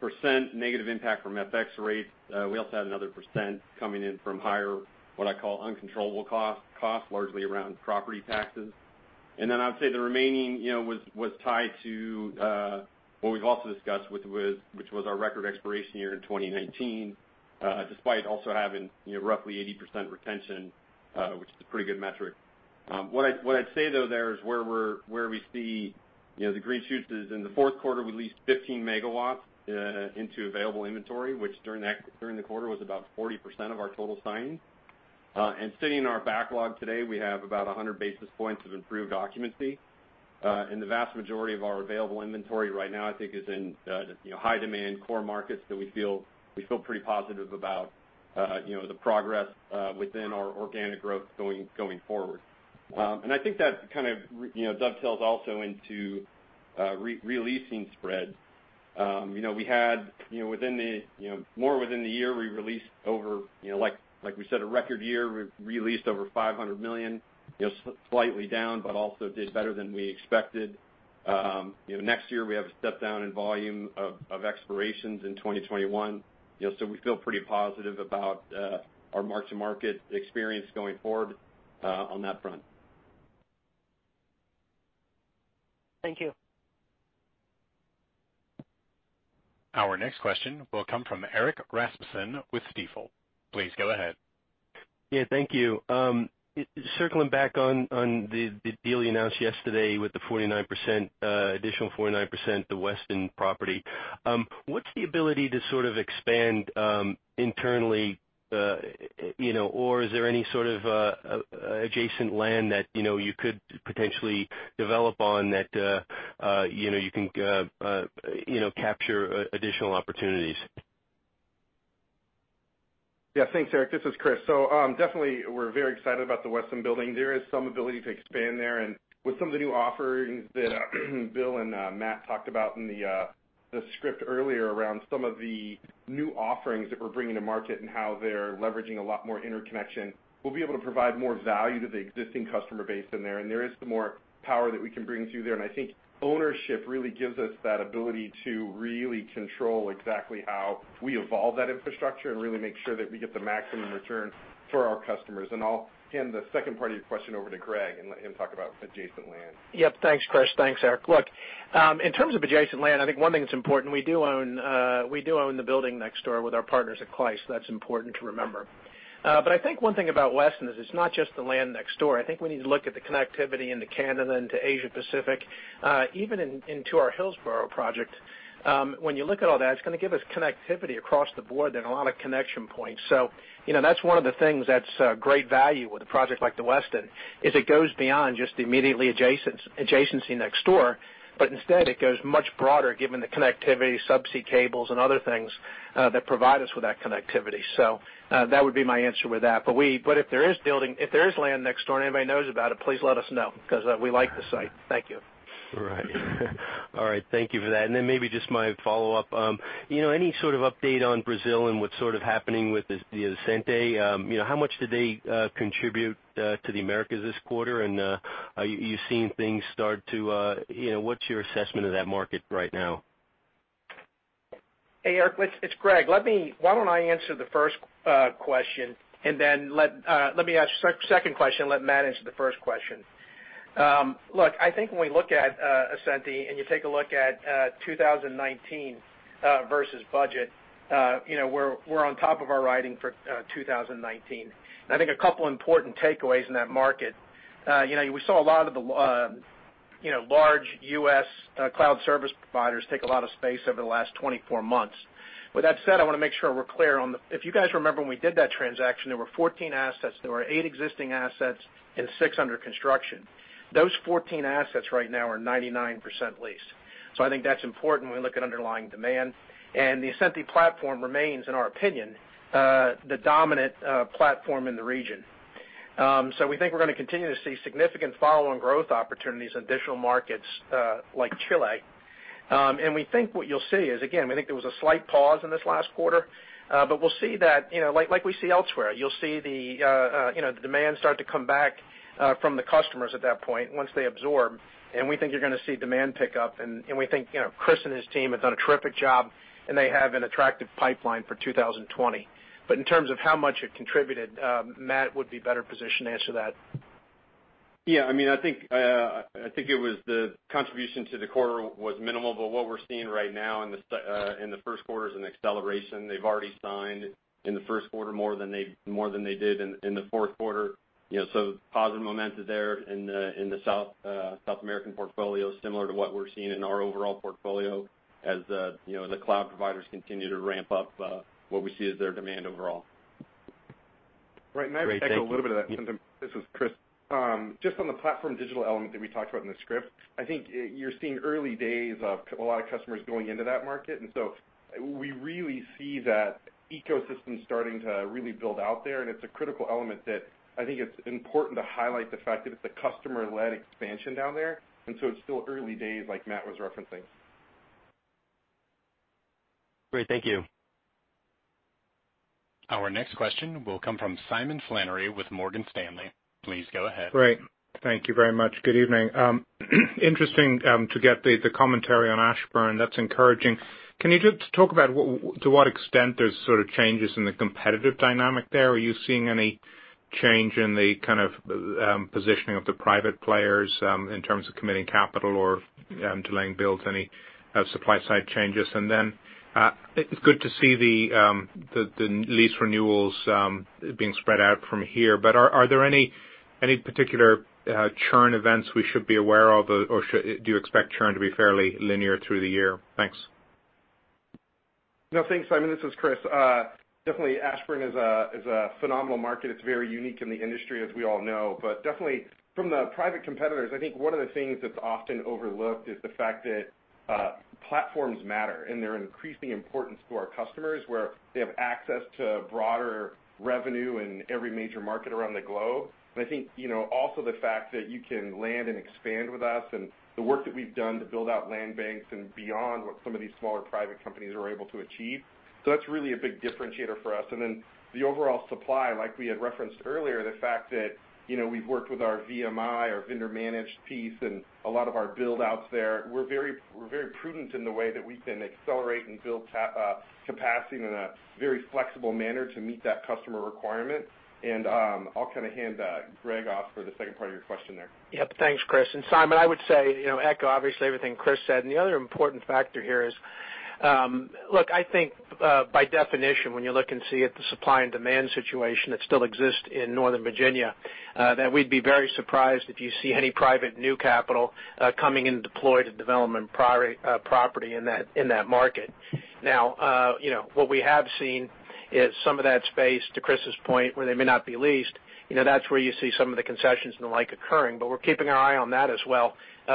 [SPEAKER 4] percent negative impact from FX rates. We also had another percent coming in from higher, what I call uncontrollable costs, largely around property taxes. Then I'd say the remaining was tied to what we've also discussed, which was our record expiration year in 2019, despite also having roughly 80% retention, which is a pretty good metric. What I'd say though there is where we see the green shoots is in the fourth quarter, we leased 15 MW into available inventory, which during the quarter was about 40% of our total signings. Sitting in our backlog today, we have about 100 basis points of improved occupancy. The vast majority of our available inventory right now, I think is in high demand core markets that we feel pretty positive about the progress within our organic growth going forward. I think that kind of dovetails also into re-leasing spread. More within the year we re-leased over, like we said, a record year, we re-leased over $500 million, slightly down, but also did better than we expected. Next year we have a step down in volume of expirations in 2021. We feel pretty positive about our mark to market experience going forward on that front.
[SPEAKER 11] Thank you.
[SPEAKER 1] Our next question will come from Erik Rasmussen with Stifel. Please go ahead.
[SPEAKER 12] Yeah, thank you. Circling back on the deal you announced yesterday with the additional 49%, the Westin property. What's the ability to sort of expand internally, or is there any sort of adjacent land that you could potentially develop on that you can capture additional opportunities?
[SPEAKER 9] Thanks, Erik. This is Chris. Definitely, we're very excited about the Westin Building. There is some ability to expand there, and with some of the new offerings that Bill and Matt talked about in the script earlier around some of the new offerings that we're bringing to market and how they're leveraging a lot more interconnection, we'll be able to provide more value to the existing customer base in there. There is some more power that we can bring to bear. I think ownership really gives us that ability to really control exactly how we evolve that infrastructure and really make sure that we get the maximum return for our customers. I'll hand the second part of your question over to Greg and let him talk about adjacent land.
[SPEAKER 6] Yep. Thanks, Chris. Thanks, Erik. Look, in terms of adjacent land, I think one thing that's important, we do own the building next door with our partners at Clise. That's important to remember. I think one thing about Westin is it's not just the land next door. I think we need to look at the connectivity into Canada and to Asia Pacific, even into our Hillsboro project. When you look at all that, it's going to give us connectivity across the board and a lot of connection points. That's one of the things that's a great value with a project like the Westin, is it goes beyond just immediately adjacency next door, but instead it goes much broader given the connectivity, subsea cables, and other things that provide us with that connectivity. That would be my answer with that. If there is land next door and anybody knows about it, please let us know, because we like the site. Thank you.
[SPEAKER 12] Right. All right. Thank you for that. Maybe just my follow-up. Any sort of update on Brazil and what's sort of happening with the Ascenty? How much did they contribute to the Americas this quarter, and what's your assessment of that market right now?
[SPEAKER 6] Hey, Erik, it's Greg. Why don't I answer the first question, and then let me ask the second question and let Matt answer the first question. Look, I think when we look at Ascenty and you take a look at 2019 versus budget, we're on top of our riding for 2019. I think a couple important takeaways in that market. We saw a lot of the large U.S. cloud service providers take a lot of space over the last 24 months. With that said, I want to make sure we're clear on if you guys remember when we did that transaction, there were 14 assets. There were eight existing assets and six under construction. Those 14 assets right now are 99% leased. I think that's important when we look at underlying demand. The Ascenty platform remains, in our opinion, the dominant platform in the region. We think we're going to continue to see significant follow-on growth opportunities in additional markets like Chile. We think what you'll see is, again, we think there was a slight pause in this last quarter. We'll see that, like we see elsewhere, you'll see the demand start to come back from the customers at that point once they absorb. We think you're going to see demand pick up, and we think Chris and his team have done a terrific job, and they have an attractive pipeline for 2020. In terms of how much it contributed, Matt would be better positioned to answer that.
[SPEAKER 4] Yeah. I think it was the contribution to the quarter was minimal. What we're seeing right now in the first quarter is an acceleration. They've already signed in the first quarter more than they did in the fourth quarter. Positive momentum there in the South American portfolio, similar to what we're seeing in our overall portfolio as the cloud providers continue to ramp up what we see as their demand overall.
[SPEAKER 12] Great. Thanks.
[SPEAKER 9] Right. I would echo a little bit of that sentiment. This is Chris. Just on the PlatformDIGITAL element that we talked about in the script, I think you're seeing early days of a lot of customers going into that market. We really see that ecosystem starting to really build out there, and it's a critical element that I think it's important to highlight the fact that it's a customer-led expansion down there. It's still early days like Matt was referencing.
[SPEAKER 12] Great. Thank you.
[SPEAKER 1] Our next question will come from Simon Flannery with Morgan Stanley. Please go ahead.
[SPEAKER 13] Great. Thank you very much. Good evening. Interesting to get the commentary on Ashburn. That's encouraging. Can you just talk about to what extent there's sort of changes in the competitive dynamic there? Are you seeing any change in the kind of positioning of the private players in terms of committing capital or delaying builds, any supply side changes? Then it's good to see the lease renewals being spread out from here. Are there any particular churn events we should be aware of, or do you expect churn to be fairly linear through the year? Thanks.
[SPEAKER 9] No, thanks, Simon. This is Chris. Definitely Ashburn is a phenomenal market. It's very unique in the industry, as we all know. Definitely from the private competitors, I think one of the things that's often overlooked is the fact that platforms matter, and they're increasingly important to our customers, where they have access to broader revenue in every major market around the globe. I think also the fact that you can land and expand with us and the work that we've done to build out land banks and beyond what some of these smaller private companies are able to achieve. That's really a big differentiator for us. Then the overall supply, like we had referenced earlier, the fact that we've worked with our VMI, our vendor managed piece, and a lot of our build-outs there. We're very prudent in the way that we can accelerate and build capacity in a very flexible manner to meet that customer requirement. I'll kind of hand Greg off for the second part of your question there.
[SPEAKER 6] Yep. Thanks, Chris. Simon, I would say, echo obviously everything Chris said. The other important factor here is, look, I think by definition, when you look and see at the supply and demand situation that still exists in Northern Virginia, that we'd be very surprised if you see any private new capital coming in deployed to development property in that market. Now, what we have seen is some of that space, to Chris's point, where they may not be leased. That's where you see some of the concessions and the like occurring. We're keeping our eye on that as well,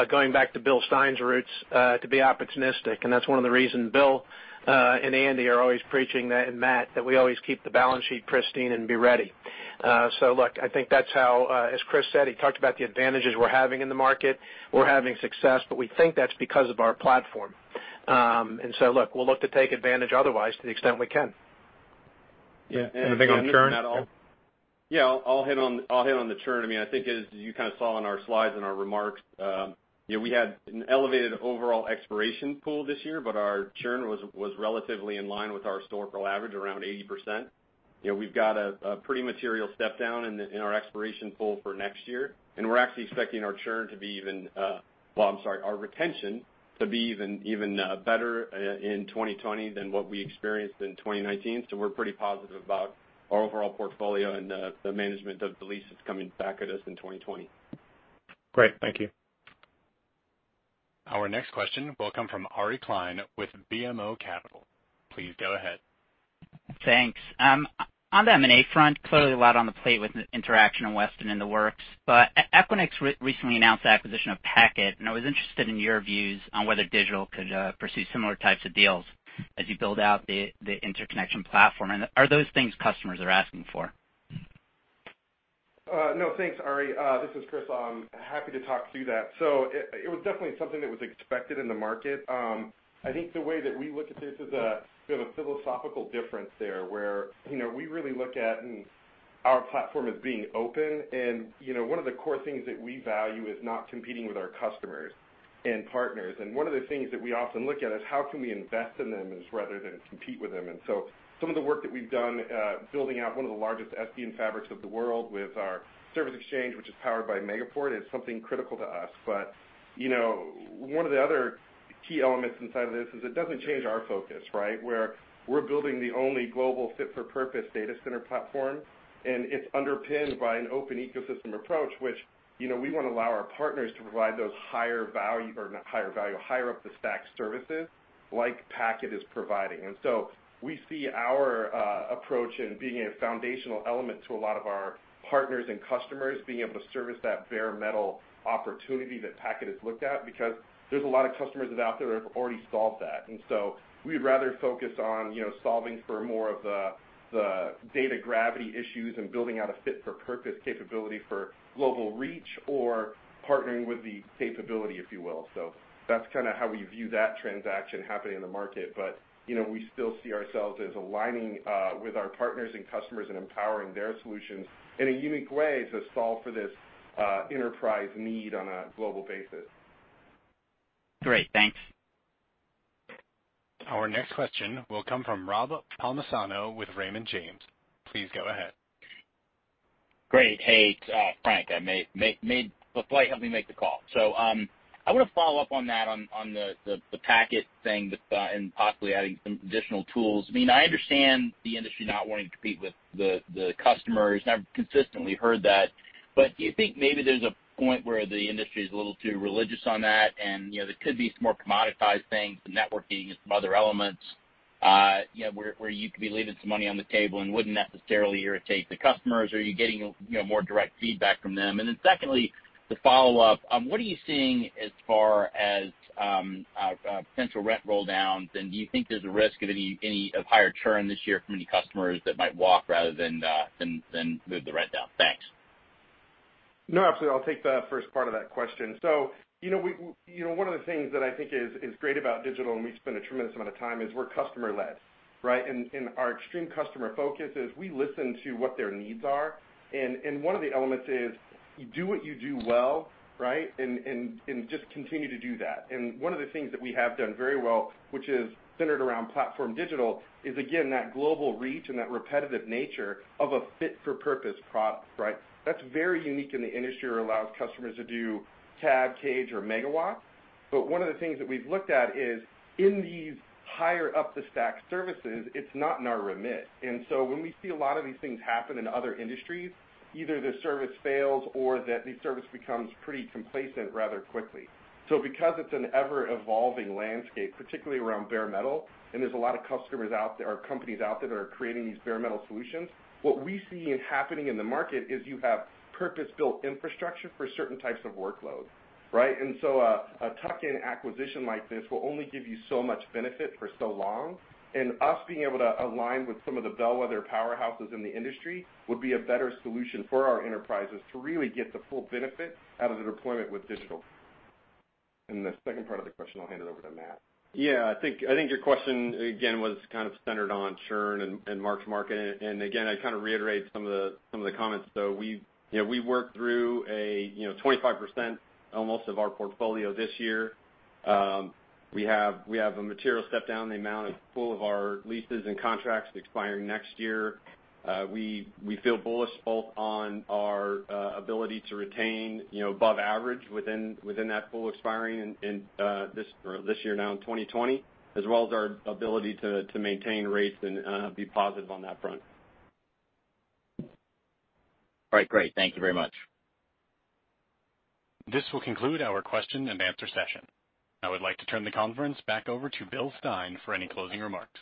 [SPEAKER 6] going back to Bill Stein's roots, to be opportunistic. That's one of the reasons Bill and Andy are always preaching that, and Matt, that we always keep the balance sheet pristine and be ready. Look, I think that's how, as Chris said, he talked about the advantages we're having in the market. We're having success, but we think that's because of our platform. Look, we'll look to take advantage otherwise to the extent we can.
[SPEAKER 4] Yeah.
[SPEAKER 9] Anything on churn at all?
[SPEAKER 4] Yeah, I'll hit on the churn. I think as you saw in our slides and our remarks, we had an elevated overall expiration pool this year, but our churn was relatively in line with our historical average, around 80%. We've got a pretty material step-down in our expiration pool for next year, and we're actually expecting our churn to be Well, I'm sorry, our retention to be even better in 2020 than what we experienced in 2019. We're pretty positive about our overall portfolio and the management of the leases coming back at us in 2020.
[SPEAKER 13] Great. Thank you.
[SPEAKER 1] Our next question will come from Aryeh Klein with BMO Capital Markets. Please go ahead.
[SPEAKER 14] Thanks. On the M&A front, clearly a lot on the plate with Interxion and Westin in the works. Equinix recently announced the acquisition of Packet, and I was interested in your views on whether Digital could pursue similar types of deals as you build out the interconnection platform, and are those things customers are asking for?
[SPEAKER 9] No, thanks, Aryeh. This is Chris. Happy to talk through that. It was definitely something that was expected in the market. I think the way that we look at this is we have a philosophical difference there, where we really look at our platform as being open and one of the core things that we value is not competing with our customers and partners. One of the things that we often look at is how can we invest in them rather than compete with them. Some of the work that we've done building out one of the largest SDN fabrics of the world with our Service Exchange, which is powered by Megaport, is something critical to us. One of the other key elements inside of this is it doesn't change our focus, right? Where we're building the only global fit-for-purpose data center platform, and it's underpinned by an open ecosystem approach, which we want to allow our partners to provide those higher value-- or not higher value, higher up the stack services like Packet is providing. We see our approach in being a foundational element to a lot of our partners and customers, being able to service that bare metal opportunity that Packet has looked at because there's a lot of customers that are out there that have already solved that. We'd rather focus on solving for more of the data gravity issues and building out a fit-for-purpose capability for global reach or partnering with the capability, if you will. That's how we view that transaction happening in the market. We still see ourselves as aligning with our partners and customers and empowering their solutions in a unique way to solve for this enterprise need on a global basis.
[SPEAKER 14] Great. Thanks.
[SPEAKER 1] Our next question will come from Robert Palmisano with Raymond James. Please go ahead.
[SPEAKER 15] Great. Hey, Frank. The flight helped me make the call. I want to follow up on that, on the Packet thing and possibly adding some additional tools. I understand the industry not wanting to compete with the customers, and I've consistently heard that. Do you think maybe there's a point where the industry is a little too religious on that and there could be some more commoditized things, some networking and some other elements, where you could be leaving some money on the table and wouldn't necessarily irritate the customers? Are you getting more direct feedback from them? Secondly, to follow up, what are you seeing as far as potential rent roll downs, and do you think there's a risk of any higher churn this year from any customers that might walk rather than move the rent down? Thanks.
[SPEAKER 9] No, absolutely. I'll take the first part of that question. One of the things that I think is great about Digital, and we spend a tremendous amount of time, is we're customer led, right? Our extreme customer focus is we listen to what their needs are, and one of the elements is you do what you do well, right? Just continue to do that. One of the things that we have done very well, which is centered around PlatformDIGITAL, is again, that global reach and that repetitive nature of a fit-for-purpose product, right? That's very unique in the industry or allows customers to do tab, cage, or megawatt. One of the things that we've looked at is in these higher up the stack services, it's not in our remit. When we see a lot of these things happen in other industries, either the service fails or the service becomes pretty complacent rather quickly. Because it's an ever-evolving landscape, particularly around bare metal, and there's a lot of customers out there or companies out there that are creating these bare metal solutions, what we see happening in the market is you have purpose-built infrastructure for certain types of workload, right? A tuck-in acquisition like this will only give you so much benefit for so long, and us being able to align with some of the bellwether powerhouses in the industry would be a better solution for our enterprises to really get the full benefit out of the deployment with Digital. The second part of the question, I'll hand it over to Matt.
[SPEAKER 4] Yeah. I think your question again, was centered on churn and mark-to-market, and again, I reiterate some of the comments. We worked through a 25% almost of our portfolio this year. We have a material step down in the amount of pool of our leases and contracts expiring next year. We feel bullish both on our ability to retain above average within that pool expiring this year now in 2020, as well as our ability to maintain rates and be positive on that front.
[SPEAKER 15] All right. Great. Thank you very much.
[SPEAKER 1] This will conclude our question and answer session. I would like to turn the conference back over to Bill Stein for any closing remarks.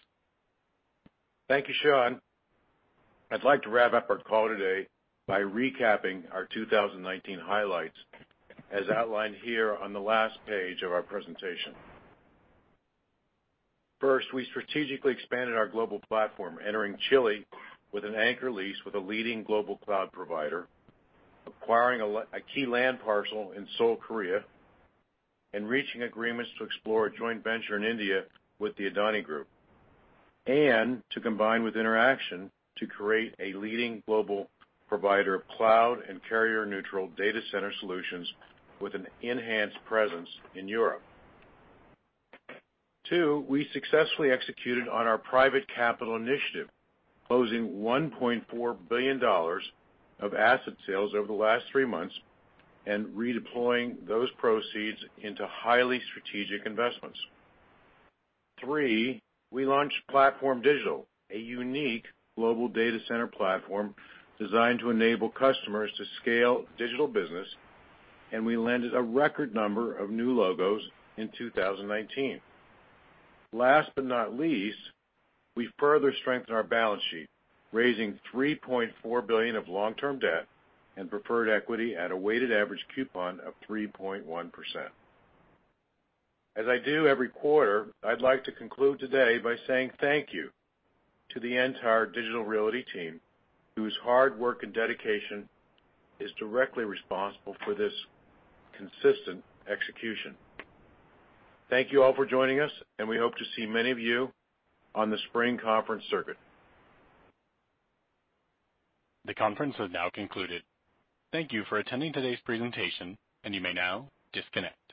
[SPEAKER 3] Thank you, Sean. I'd like to wrap up our call today by recapping our 2019 highlights, as outlined here on the last page of our presentation. First, we strategically expanded our global platform, entering Chile with an anchor lease with a leading global cloud provider, acquiring a key land parcel in Seoul, Korea, and reaching agreements to explore a joint venture in India with the Adani Group, and to combine with Interxion to create a leading global provider of cloud and carrier-neutral data center solutions with an enhanced presence in Europe. Two, we successfully executed on our private capital initiative, closing $1.4 billion of asset sales over the last three months and redeploying those proceeds into highly strategic investments. Three, we launched PlatformDIGITAL, a unique global data center platform designed to enable customers to scale digital business, and we landed a record number of new logos in 2019. Last but not least, we further strengthened our balance sheet, raising $3.4 billion of long-term debt and preferred equity at a weighted average coupon of 3.1%. As I do every quarter, I'd like to conclude today by saying thank you to the entire Digital Realty team, whose hard work and dedication is directly responsible for this consistent execution. Thank you all for joining us, and we hope to see many of you on the spring conference circuit.
[SPEAKER 1] The conference has now concluded. Thank you for attending today's presentation, and you may now disconnect.